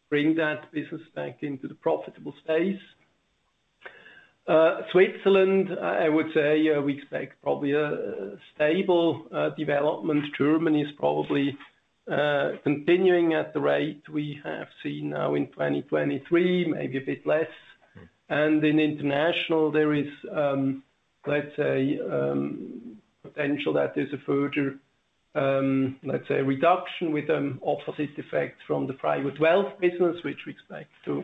bring that business back into the profitable space. Switzerland, I would say, we expect probably a stable development. Germany is probably continuing at the rate we have seen now in 2023, maybe a bit less. In international, there is, let's say, potential that there's a further, let's say, reduction with opposite effects from the private wealth business, which we expect to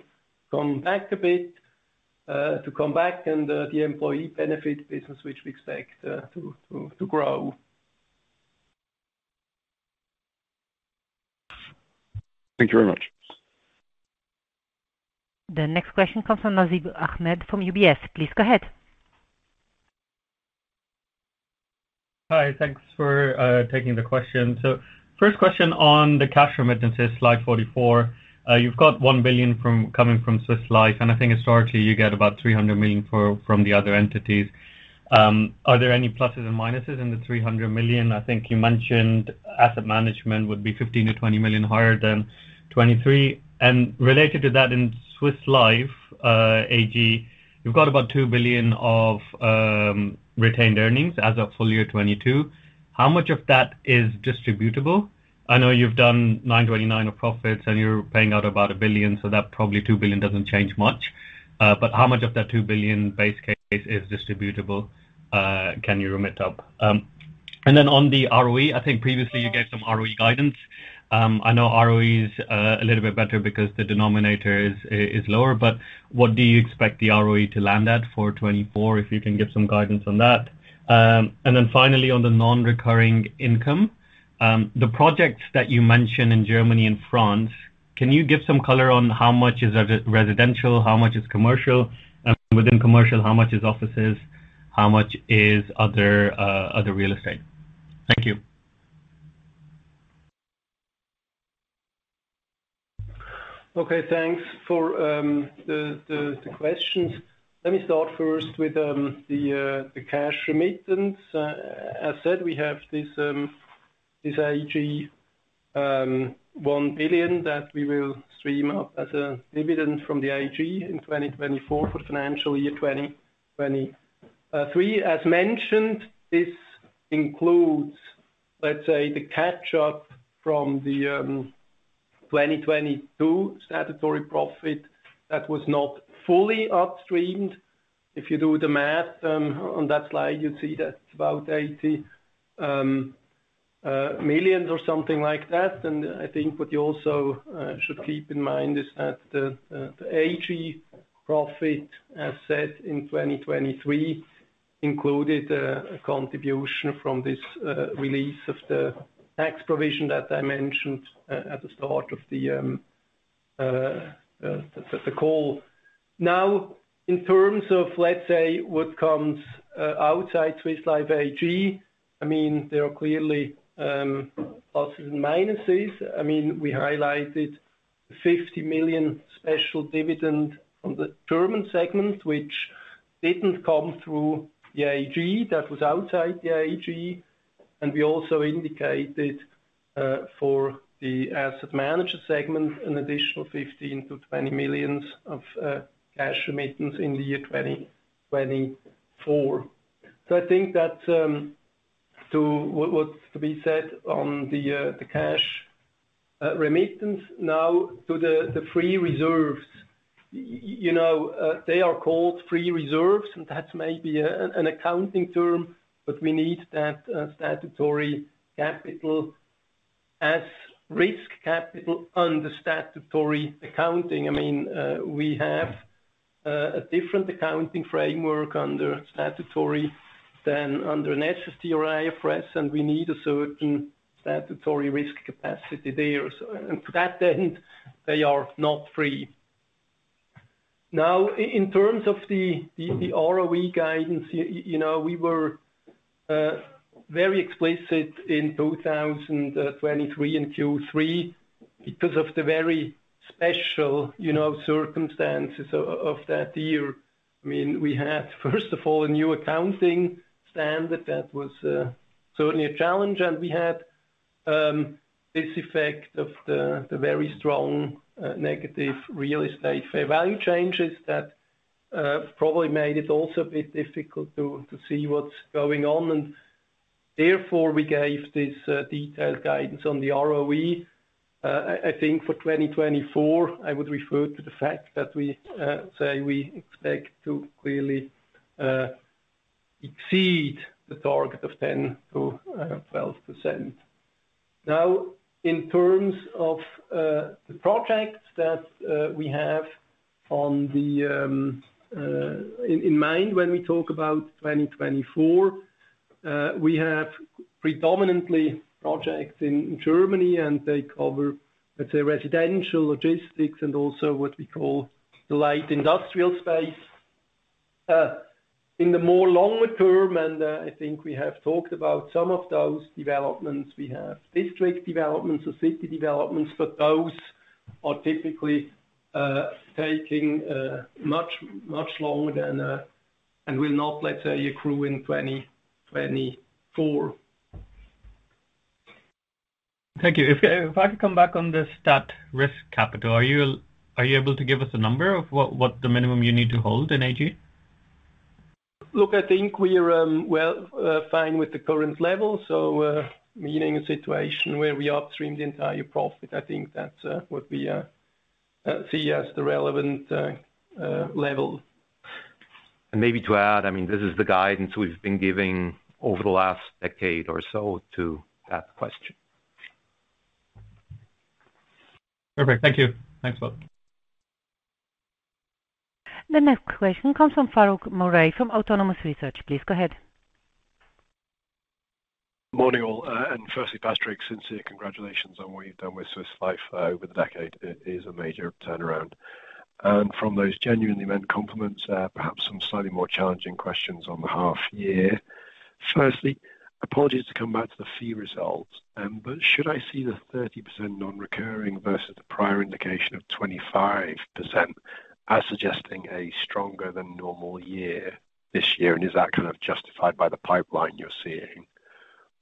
come back a bit to come back, and the employee benefit business, which we expect to grow. Thank you very much. The next question comes from Nasib Ahmed from UBS. Please go ahead. Hi. Thanks for taking the question. So first question on the cash remittances, slide 44. You've got 1 billion coming from Swiss Life. And I think, historically, you get about 300 million from the other entities. Are there any pluses and minuses in the 300 million? I think you mentioned asset management would be 15 million-20 million higher than 2023. And related to that, in Swiss Life AG, you've got about 2 billion of retained earnings as of full year 2022. How much of that is distributable? I know you've done 929 million of profits, and you're paying out about 1 billion. So that probably 2 billion doesn't change much. But how much of that 2 billion base case is distributable can you remit up? And then on the ROE, I think previously, you gave some ROE guidance. I know ROE is a little bit better because the denominator is lower. But what do you expect the ROE to land at for 2024, if you can give some guidance on that? And then finally, on the non-recurring income, the projects that you mentioned in Germany and France, can you give some color on how much is residential, how much is commercial? And within commercial, how much is offices, how much is other real estate? Thank you. Okay. Thanks for the questions. Let me start first with the cash remittance. As said, we have this AG 1 billion that we will stream up as a dividend from the AG in 2024 for the financial year 2023. As mentioned, this includes, let's say, the catch-up from the 2022 statutory profit that was not fully upstreamed. If you do the math on that slide, you'll see that's about 80 million or something like that. And I think what you also should keep in mind is that the AG profit, as said, in 2023 included a contribution from this release of the tax provision that I mentioned at the start of the call. Now, in terms of, let's say, what comes outside Swiss Life AG, I mean, there are clearly pluses and minuses. I mean, we highlighted 50 million special dividend from the German segment, which didn't come through the AG. That was outside the AG. We also indicated for the asset manager segment, an additional 15 million-20 million of cash remittance in the year 2024. So I think that's what's to be said on the cash remittance. Now, to the free reserves, they are called free reserves. That's maybe an accounting term. But we need that statutory capital as risk capital under statutory accounting. I mean, we have a different accounting framework under statutory than under an SST or IFRS. We need a certain statutory risk capacity there. To that end, they are not free. Now, in terms of the ROE guidance, we were very explicit in 2023 and Q3 because of the very special circumstances of that year. I mean, we had, first of all, a new accounting standard that was certainly a challenge. And we had this effect of the very strong negative real estate fair value changes that probably made it also a bit difficult to see what's going on. And therefore, we gave this detailed guidance on the ROE. I think for 2024, I would refer to the fact that we say we expect to clearly exceed the target of 10%-12%. Now, in terms of the projects that we have in mind when we talk about 2024, we have predominantly projects in Germany. And they cover, let's say, residential logistics and also what we call the light industrial space. In the more longer term, and I think we have talked about some of those developments, we have district developments or city developments. But those are typically taking much, much longer than and will not, let's say, accrue in 2024. Thank you. If I could come back on the stat risk capital, are you able to give us a number of what the minimum you need to hold in AG? Look, I think we're well fine with the current level. So meaning a situation where we upstream the entire profit, I think that's what we see as the relevant level. And maybe to add, I mean, this is the guidance we've been giving over the last decade or so to that question. Perfect. Thank you. Thanks, Bob. The next question comes from Farquhar Murray from Autonomous Research. Please go ahead. Good morning, all. And firstly, Patrick, sincere congratulations on what you've done with Swiss Life over the decade. It is a major turnaround. And from those genuinely meant compliments, perhaps some slightly more challenging questions on the half-year. Firstly, apologies to come back to the fee results. But should I see the 30% non-recurring versus the prior indication of 25% as suggesting a stronger-than-normal year this year? And is that kind of justified by the pipeline you're seeing?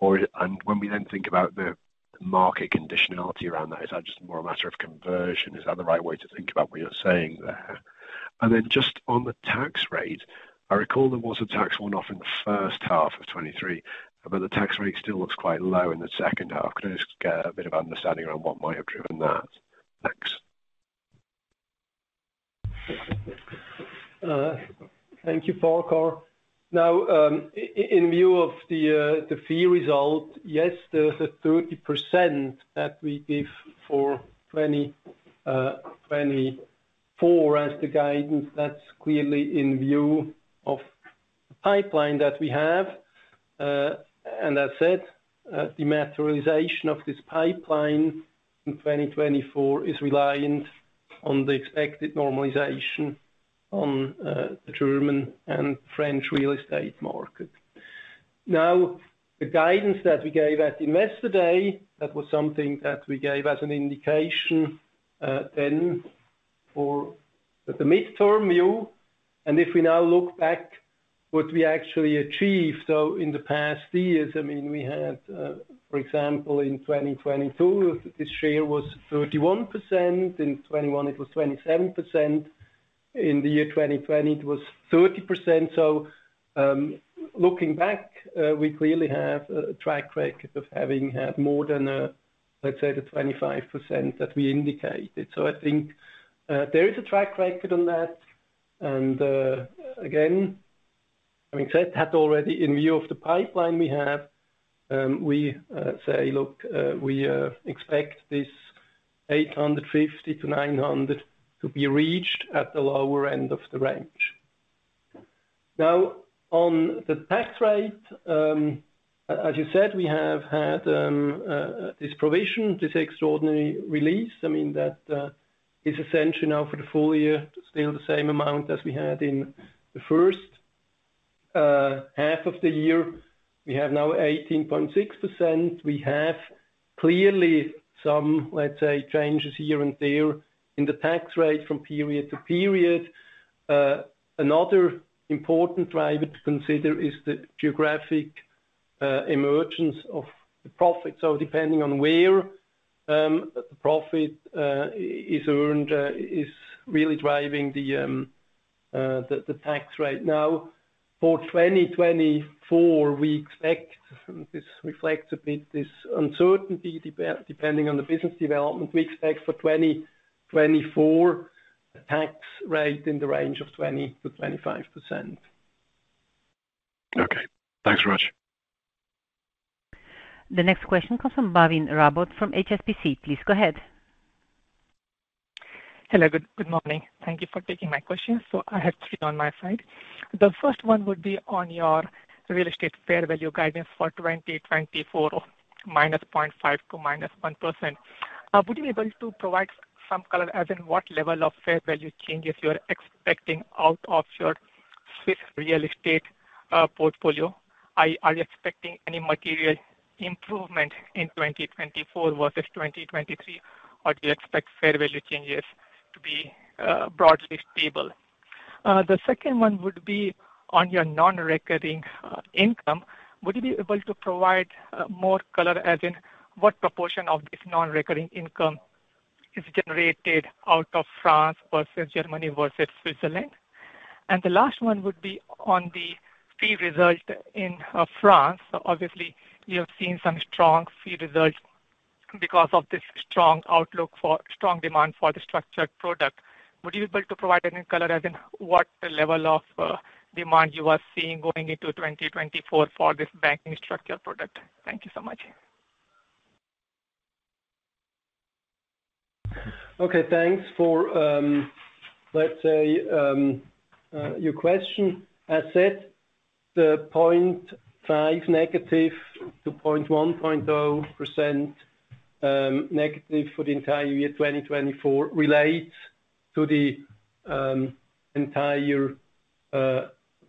And when we then think about the market conditionality around that, is that just more a matter of conversion? Is that the right way to think about what you're saying there? And then just on the tax rate, I recall there was a tax one-off in the first half of 2023. But the tax rate still looks quite low in the second half. Could I just get a bit of understanding around what might have driven that? Thanks. Thank you, Farquhar. Now, in view of the fee result, yes, the 30% that we give for 2024 as the guidance, that's clearly in view of the pipeline that we have. As said, the materialization of this pipeline in 2024 is reliant on the expected normalization on the German and French real estate market. Now, the guidance that we gave at Investor Day, that was something that we gave as an indication then for the midterm view. If we now look back, what we actually achieved, so in the past years, I mean, we had, for example, in 2022, this share was 31%. In 2021, it was 27%. In the year 2020, it was 30%. So looking back, we clearly have a track record of having had more than, let's say, the 25% that we indicated. So I think there is a track record on that. And again, having said that already, in view of the pipeline we have, we say, look, we expect this 850-900 to be reached at the lower end of the range. Now, on the tax rate, as you said, we have had this provision, this extraordinary release. I mean, that is essentially now for the full year, still the same amount as we had in the first half of the year. We have now 18.6%. We have clearly some, let's say, changes here and there in the tax rate from period to period. Another important driver to consider is the geographic emergence of the profit. So depending on where the profit is earned, is really driving the tax rate. Now, for 2024, we expect this reflects a bit this uncertainty depending on the business development. We expect for 2024, a tax rate in the range of 20%-25%. Okay. Thanks very much. The next question comes from Bhavin Rawal from HSBC. Please go ahead. Hello. Good morning. Thank you for taking my question. I have three on my side. The first one would be on your real estate fair value guidance for 2024 of -0.5% to -1%. Would you be able to provide some color, as in what level of fair value changes you are expecting out of your Swiss real estate portfolio? Are you expecting any material improvement in 2024 versus 2023? Or do you expect fair value changes to be broadly stable? The second one would be on your non-recurring income. Would you be able to provide more color, as in what proportion of this non-recurring income is generated out of France versus Germany versus Switzerland? And the last one would be on the fee result in France. Obviously, you have seen some strong fee results because of this strong outlook for strong demand for the structured product. Would you be able to provide any color, as in what level of demand you are seeing going into 2024 for this banking structured product? Thank you so much. Okay. Thanks for, let's say, your question. As said, the -0.5 to -0.1, 0.0% negative for the entire year 2024 relates to the entire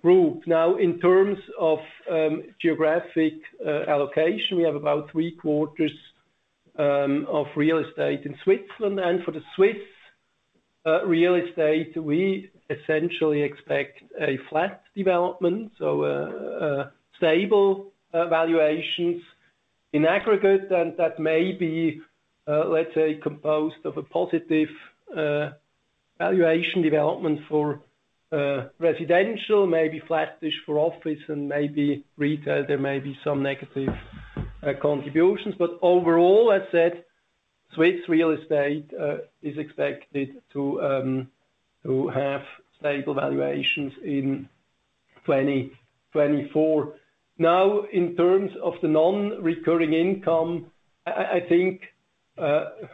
group. Now, in terms of geographic allocation, we have about three-quarters of real estate in Switzerland. For the Swiss real estate, we essentially expect a flat development, so stable valuations in aggregate. That may be, let's say, composed of a positive valuation development for residential, maybe flattish for office, and maybe for retail, there may be some negative contributions. Overall, as said, Swiss real estate is expected to have stable valuations in 2024. Now, in terms of the non-recurring income, I think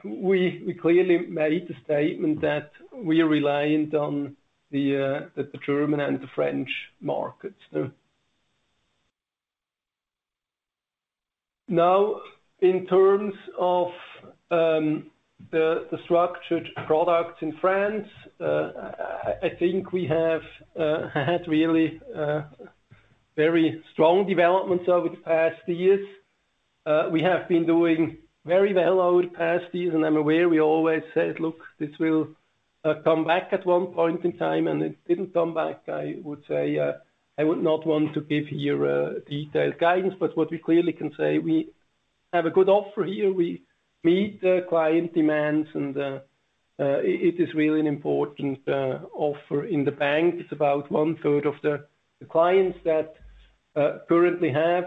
we clearly made the statement that we are reliant on the German and the French markets. Now, in terms of the structured products in France, I think we have had really very strong developments over the past years. We have been doing very well over the past years. And I'm aware we always said, "Look, this will come back at one point in time." And it didn't come back. I would say I would not want to give here detailed guidance. But what we clearly can say, we have a good offer here. We meet client demands. And it is really an important offer in the bank. It's about one-third of the clients that currently have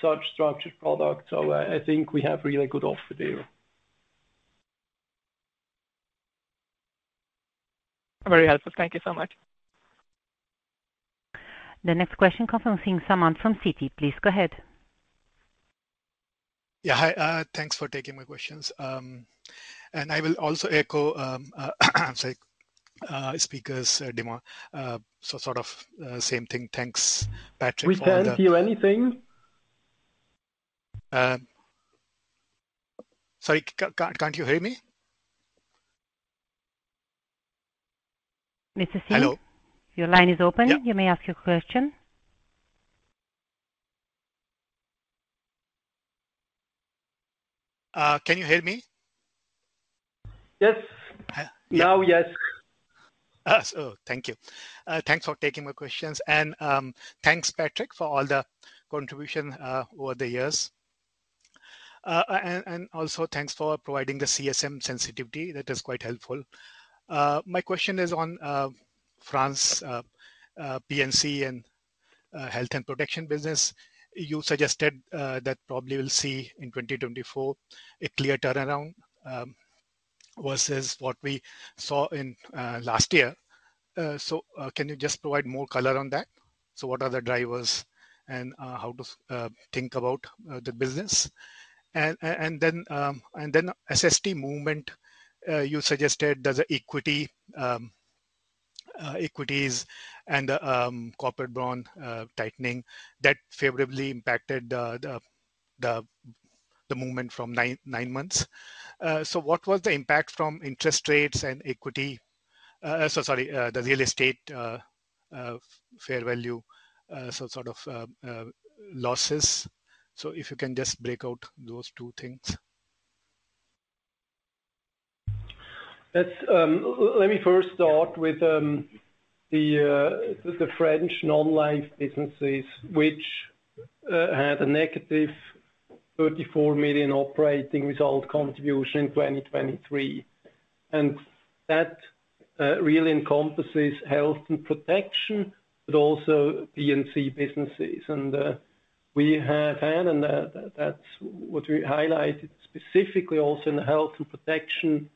such structured products. So I think we have a really good offer there. Very helpful. Thank you so much. The next question comes from Singh Samant from Citi. Please go ahead. Yeah. Hi. Thanks for taking my questions. And I will also echo I'm sorry, speakers' demand. So sort of same thing. Thanks, Patrick, for your answers. We can't hear anything. Sorry. Can't you hear me? Mr. Singh? Hello. Your line is open. You may ask your question. Can you hear me? Yes. Now, yes. Oh, thank you. Thanks for taking my questions. And thanks, Patrick, for all the contribution over the years. And also, thanks for providing the CSM sensitivity. That is quite helpful. My question is on France's P&C and health and protection business. You suggested that probably we'll see in 2024 a clear turnaround versus what we saw last year. So can you just provide more color on that? So what are the drivers and how to think about the business? Then SST movement, you suggested that the equities and the corporate bond tightening, that favorably impacted the movement from nine months. So what was the impact from interest rates and equity? So sorry, the real estate fair value, so sort of losses. So if you can just break out those two things. Let me first start with the French non-life businesses, which had a negative 34 million operating result contribution in 2023. And that really encompasses health and protection, but also P&C businesses. And we have had, and that's what we highlighted specifically also in the health and protection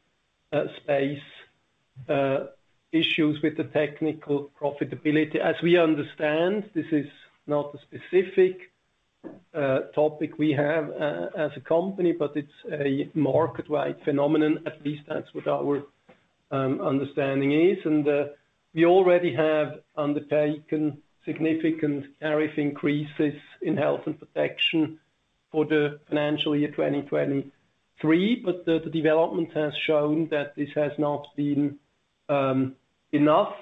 space, issues with the technical profitability. As we understand, this is not a specific topic we have as a company, but it's a market-wide phenomenon. At least, that's what our understanding is. We already have undertaken significant tariff increases in health and protection for the financial year 2023. But the development has shown that this has not been enough.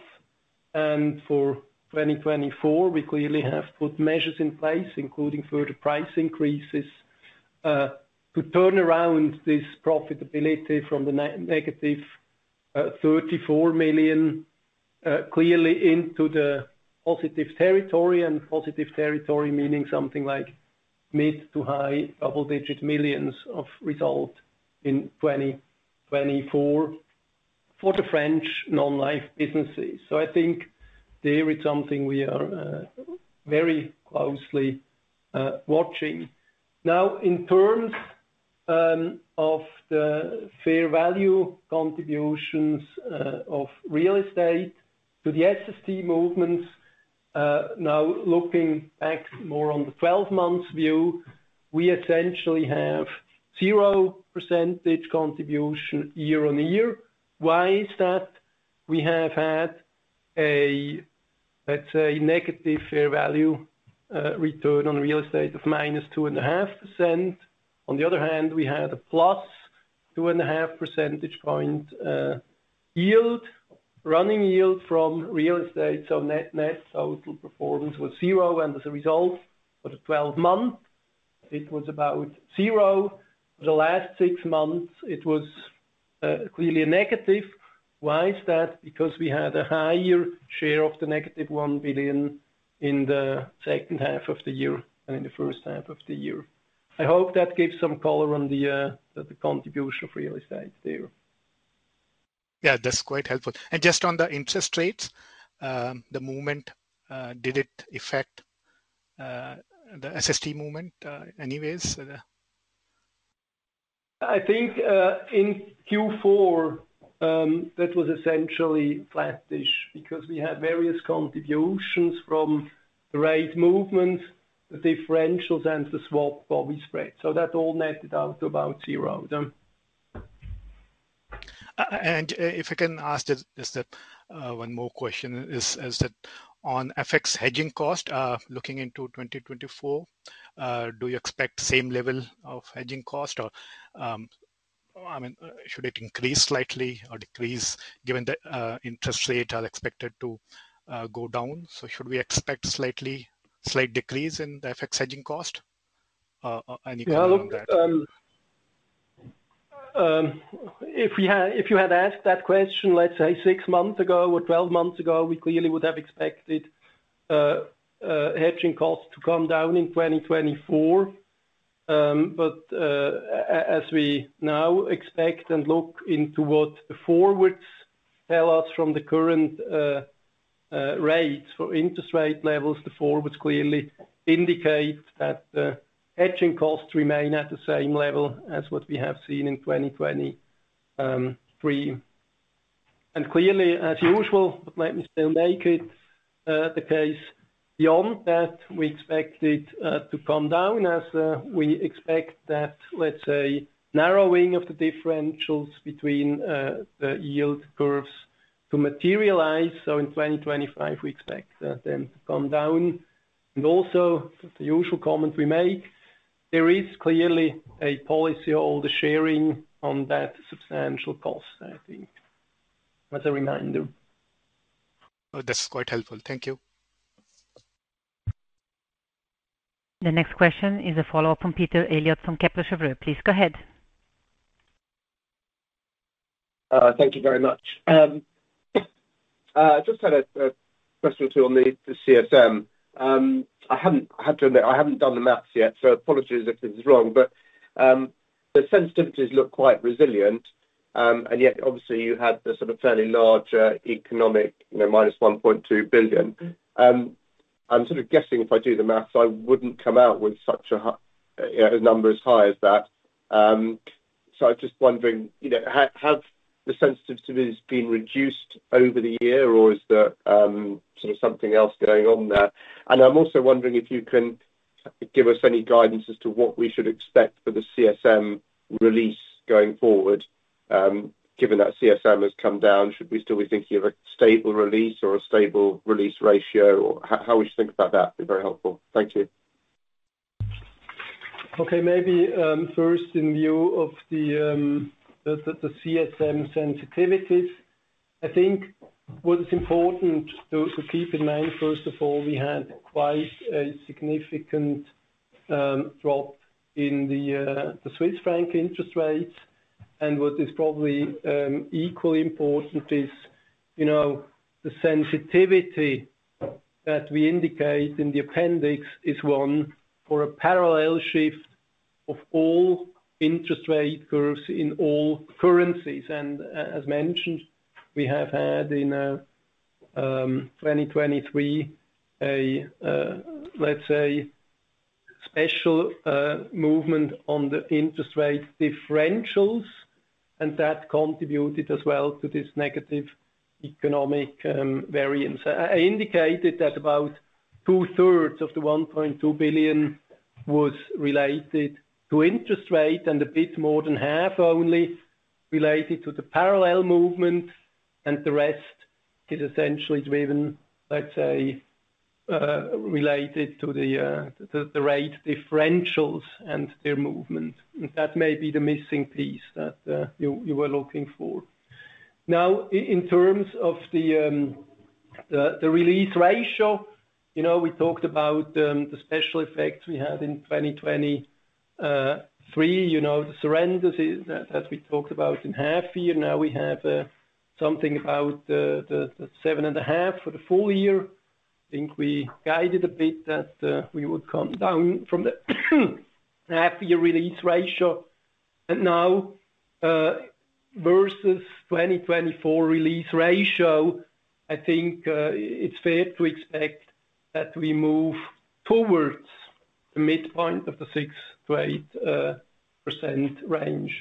For 2024, we clearly have put measures in place, including further price increases, to turn around this profitability from the negative 34 million clearly into the positive territory. Positive territory meaning something like mid- to high double-digit millions of result in 2024 for the French non-life businesses. So I think there is something we are very closely watching. Now, in terms of the fair value contributions of real estate to the SST movements, now looking back more on the 12-month view, we essentially have 0% contribution year on year. Why is that? We have had a, let's say, negative fair value return on real estate of -2.5%. On the other hand, we had a +2.5 percentage point yield, running yield from real estate. So net total performance was zero. As a result, for the 12 months, it was about zero. For the last six months, it was clearly a negative. Why is that? Because we had a higher share of the -1 billion in the second half of the year than in the first half of the year. I hope that gives some color on the contribution of real estate there. Yeah. That's quite helpful. Just on the interest rates, the movement, did it affect the SST movement anyways? I think in Q4, that was essentially flattish because we had various contributions from the rate movements, the differentials, and the swap bond spread. So that all netted out to about zero. If I can ask just one more question, is that on FX hedging cost, looking into 2024, do you expect same level of hedging cost? Or I mean, should it increase slightly or decrease given the interest rates are expected to go down? So should we expect slight decrease in the FX hedging cost? Any comment on that? Yeah. Look, if you had asked that question, let's say, six months ago or 12 months ago, we clearly would have expected hedging costs to come down in 2024. But as we now expect and look into what the forwards tell us from the current rates for interest rate levels, the forwards clearly indicate that the hedging costs remain at the same level as what we have seen in 2023. And clearly, as usual, but let me still make it the case, beyond that, we expected to come down as we expect that, let's say, narrowing of the differentials between the yield curves to materialize. So in 2025, we expect them to come down. And also, the usual comment we make, there is clearly a policyholder sharing on that substantial cost, I think, as a reminder. This is quite helpful. Thank you. The next question is a follow-up from Peter Eliot from Kepler Cheuvreux. Please go ahead. Thank you very much. Just had a question or two on the CSM. I haven't done the math yet. So apologies if this is wrong. But the sensitivities look quite resilient. And yet, obviously, you had the sort of fairly large economic -1.2 billion. I'm sort of guessing if I do the math, I wouldn't come out with such a number as high as that. So I was just wondering, have the sensitivities been reduced over the year, or is there sort of something else going on there? I'm also wondering if you can give us any guidance as to what we should expect for the CSM release going forward. Given that CSM has come down, should we still be thinking of a stable release or a stable release ratio? Or how we should think about that would be very helpful. Thank you. Okay. Maybe first, in view of the CSM sensitivities, I think what is important to keep in mind, first of all, we had quite a significant drop in the Swiss franc interest rates. And what is probably equally important is the sensitivity that we indicate in the appendix is one for a parallel shift of all interest rate curves in all currencies. And as mentioned, we have had in 2023 a, let's say, special movement on the interest rate differentials. And that contributed as well to this negative economic variance. I indicated that about two-thirds of the 1.2 billion was related to interest rate and a bit more than half only related to the parallel movement. And the rest is essentially driven, let's say, related to the rate differentials and their movement. And that may be the missing piece that you were looking for. Now, in terms of the release ratio, we talked about the special effects we had in 2023, the surrender that we talked about in half-year. Now, we have something about the 7.5% for the full year. I think we guided a bit that we would come down from the half-year release ratio. And now, versus 2024 release ratio, I think it's fair to expect that we move towards the midpoint of the 6%-8% range.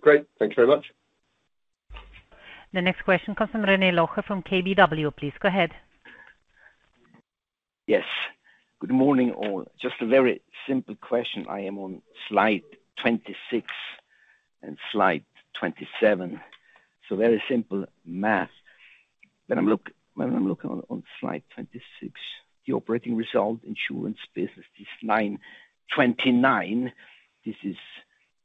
Great. Thanks very much. The next question comes from René Locher from KBW. Please go ahead. Yes. Good morning, all. Just a very simple question. I am on slide 26 and slide 27. So very simple math. When I'm looking on slide 26, the operating result insurance business, this 929 million, this is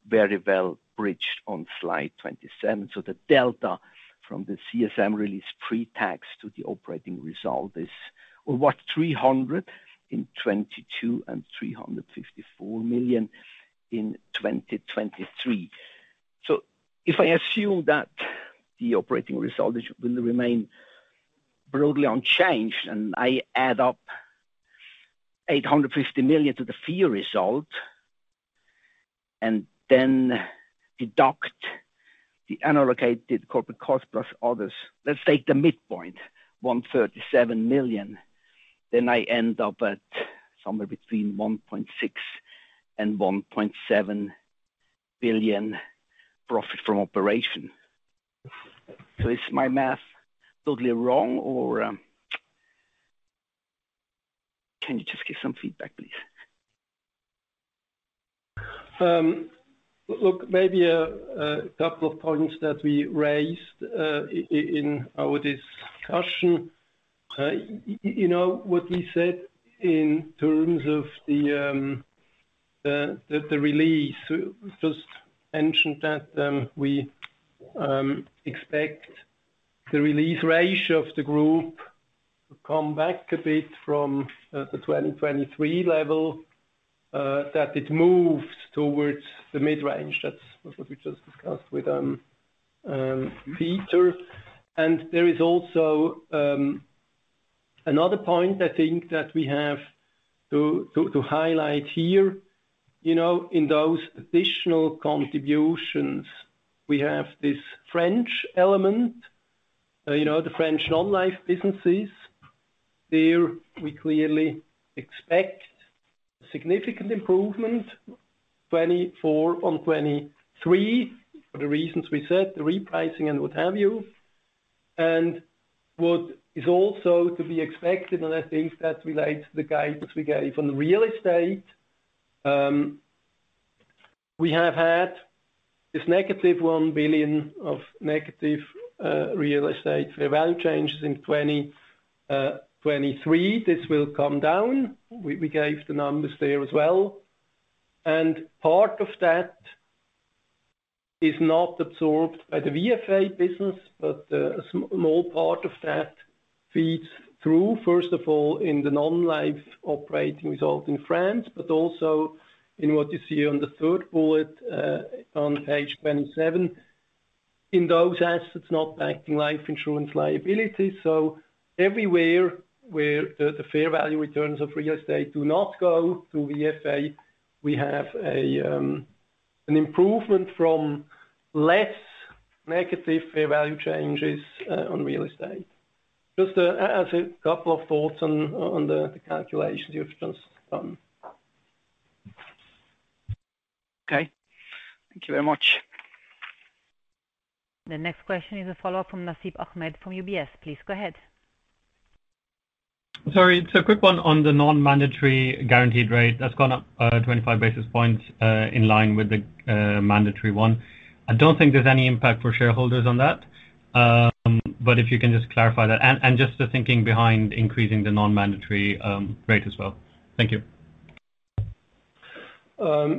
very well bridged on slide 27. So the delta from the CSM release pre-tax to the operating result is, well, what, 300 million in 2022 and 354 million in 2023? So if I assume that the operating result will remain broadly unchanged and I add up 850 million to the fee result and then deduct the unallocated corporate cost plus others, let's take the midpoint, 137 million, then I end up at somewhere between 1.6 billion and 1.7 billion profit from operation. So is my math totally wrong, or can you just give some feedback, please? Look, maybe a couple of points that we raised in our discussion. What we said in terms of the release, just mentioned that we expect the release ratio of the group to come back a bit from the 2023 level, that it moves towards the mid-range. That's what we just discussed with Peter. There is also another point, I think, that we have to highlight here. In those additional contributions, we have this French element, the French non-life businesses. There, we clearly expect significant improvement 2024 on 2023 for the reasons we said, the repricing and what have you. What is also to be expected, and I think that relates to the guidance we gave on real estate, we have had this negative 1 billion of negative real estate fair value changes in 2023. This will come down. We gave the numbers there as well. And part of that is not absorbed by the VFA business, but a small part of that feeds through, first of all, in the non-life operating result in France, but also in what you see on the third bullet on page 27, in those assets not backing life insurance liabilities. So everywhere where the fair value returns of real estate do not go through VFA, we have an improvement from less negative fair value changes on real estate. Just as a couple of thoughts on the calculations you've just done. Okay. Thank you very much. The next question is a follow-up from Nasib Ahmed from UBS. Please go ahead. Sorry. It's a quick one on the non-mandatory guaranteed rate. That's gone up 25 basis points in line with the mandatory one. I don't think there's any impact for shareholders on that. But if you can just clarify that and just the thinking behind increasing the non-mandatory rate as well. Thank you.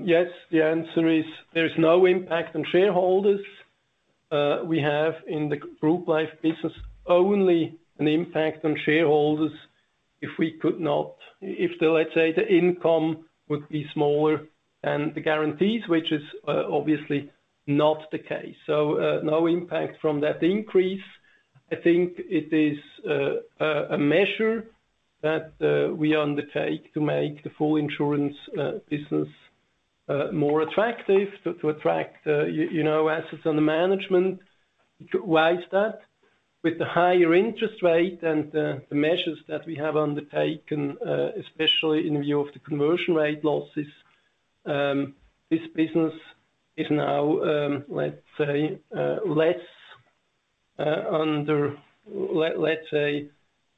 Yes. The answer is there is no impact on shareholders. We have in the group life business only an impact on shareholders if we could not if, let's say, the income would be smaller than the guarantees, which is obviously not the case. So no impact from that increase. I think it is a measure that we undertake to make the full insurance business more attractive, to attract assets under management. Why is that? With the higher interest rate and the measures that we have undertaken, especially in view of the conversion rate losses, this business is now, let's say, less under, let's say,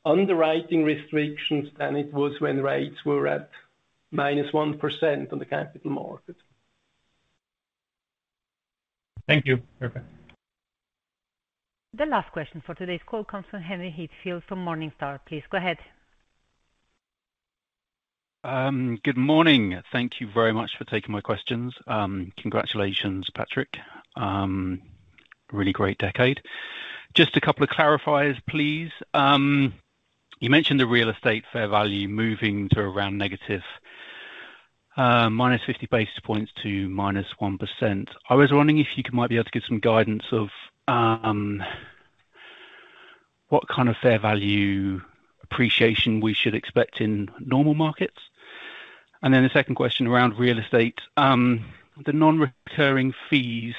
underwriting restrictions than it was when rates were at -1% on the capital market. Thank you. Perfect. The last question for today's call comes from Henry Heathfield from Morningstar. Please go ahead. Good morning. Thank you very much for taking my questions. Congratulations, Patrick. Really great decade. Just a couple of clarifiers, please. You mentioned the real estate fair value moving to around negative minus 50 basis points to minus 1%. I was wondering if you might be able to give some guidance of what kind of fair value appreciation we should expect in normal markets. And then the second question around real estate, the non-recurring fees.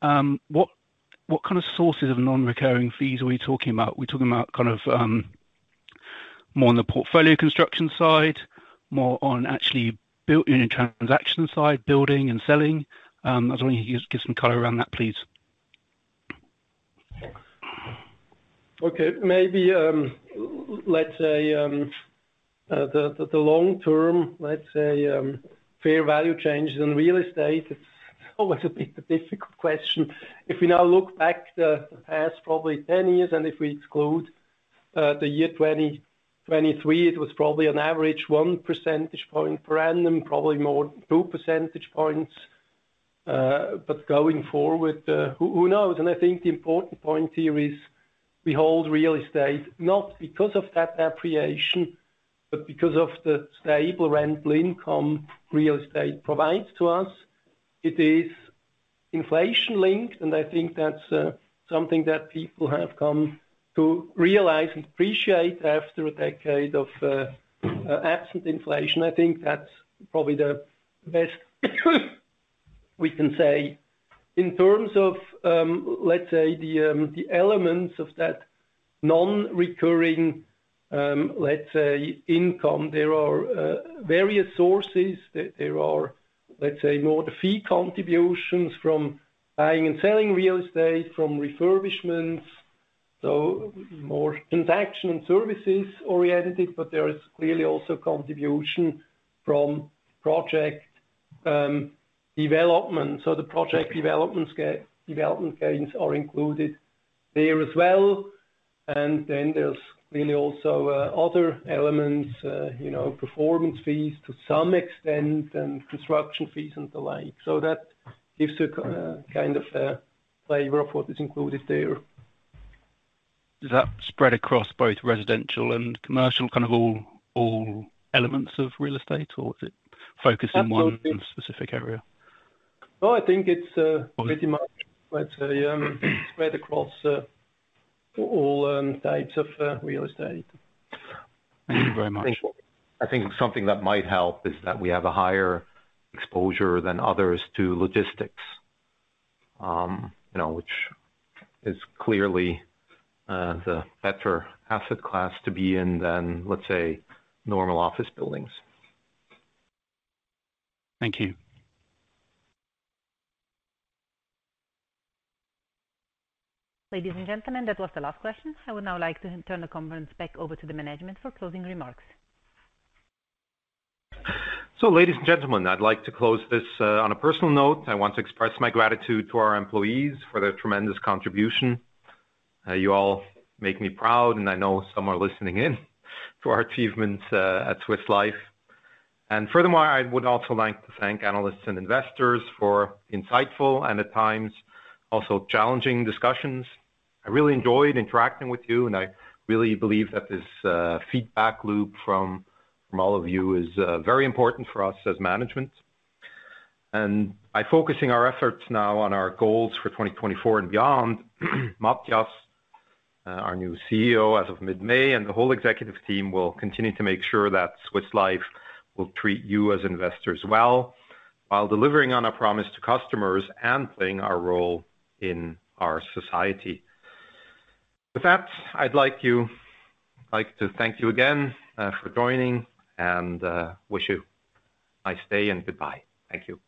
What kind of sources of non-recurring fees are we talking about? Are we talking about kind of more on the portfolio construction side, more on actually built-in transaction side, building and selling? I was wondering if you could give some color around that, please. Okay. Maybe, let's say, the long-term, let's say, fair value changes in real estate, it's always a bit of a difficult question. If we now look back the past probably 10 years and if we exclude the year 2023, it was probably an average 1 percentage point per annum, probably more 2 percentage points. But going forward, who knows? And I think the important point here is we hold real estate not because of that depreciation, but because of the stable rental income real estate provides to us. It is inflation-linked, and I think that's something that people have come to realize and appreciate after a decade of absent inflation. I think that's probably the best we can say. In terms of, let's say, the elements of that non-recurring, let's say, income, there are various sources. There are, let's say, more the fee contributions from buying and selling real estate, from refurbishments, so more transaction and services-oriented. But there is clearly also contribution from project development. So the project development gains are included there as well. And then there's clearly also other elements, performance fees to some extent and construction fees and the like. So that gives you kind of a flavor of what is included there. Is that spread across both residential and commercial, kind of all elements of real estate, or is it focused in one specific area? No, I think it's pretty much, let's say, spread across all types of real estate. Thank you very much. I think something that might help is that we have a higher exposure than others to logistics, which is clearly the better asset class to be in than, let's say, normal office buildings. Thank you. Ladies and gentlemen, that was the last question. I would now like to turn the conference back over to the management for closing remarks. So, ladies and gentlemen, I'd like to close this on a personal note. I want to express my gratitude to our employees for their tremendous contribution. You all make me proud, and I know some are listening in to our achievements at Swiss Life. And furthermore, I would also like to thank analysts and investors for the insightful and, at times, also challenging discussions. I really enjoyed interacting with you, and I really believe that this feedback loop from all of you is very important for us as management. By focusing our efforts now on our goals for 2024 and beyond, Matthias, our new CEO, as of mid-May, and the whole executive team will continue to make sure that Swiss Life will treat you as investors well while delivering on our promise to customers and playing our role in our society. With that, I'd like to thank you again for joining and wish you a nice day and goodbye. Thank you.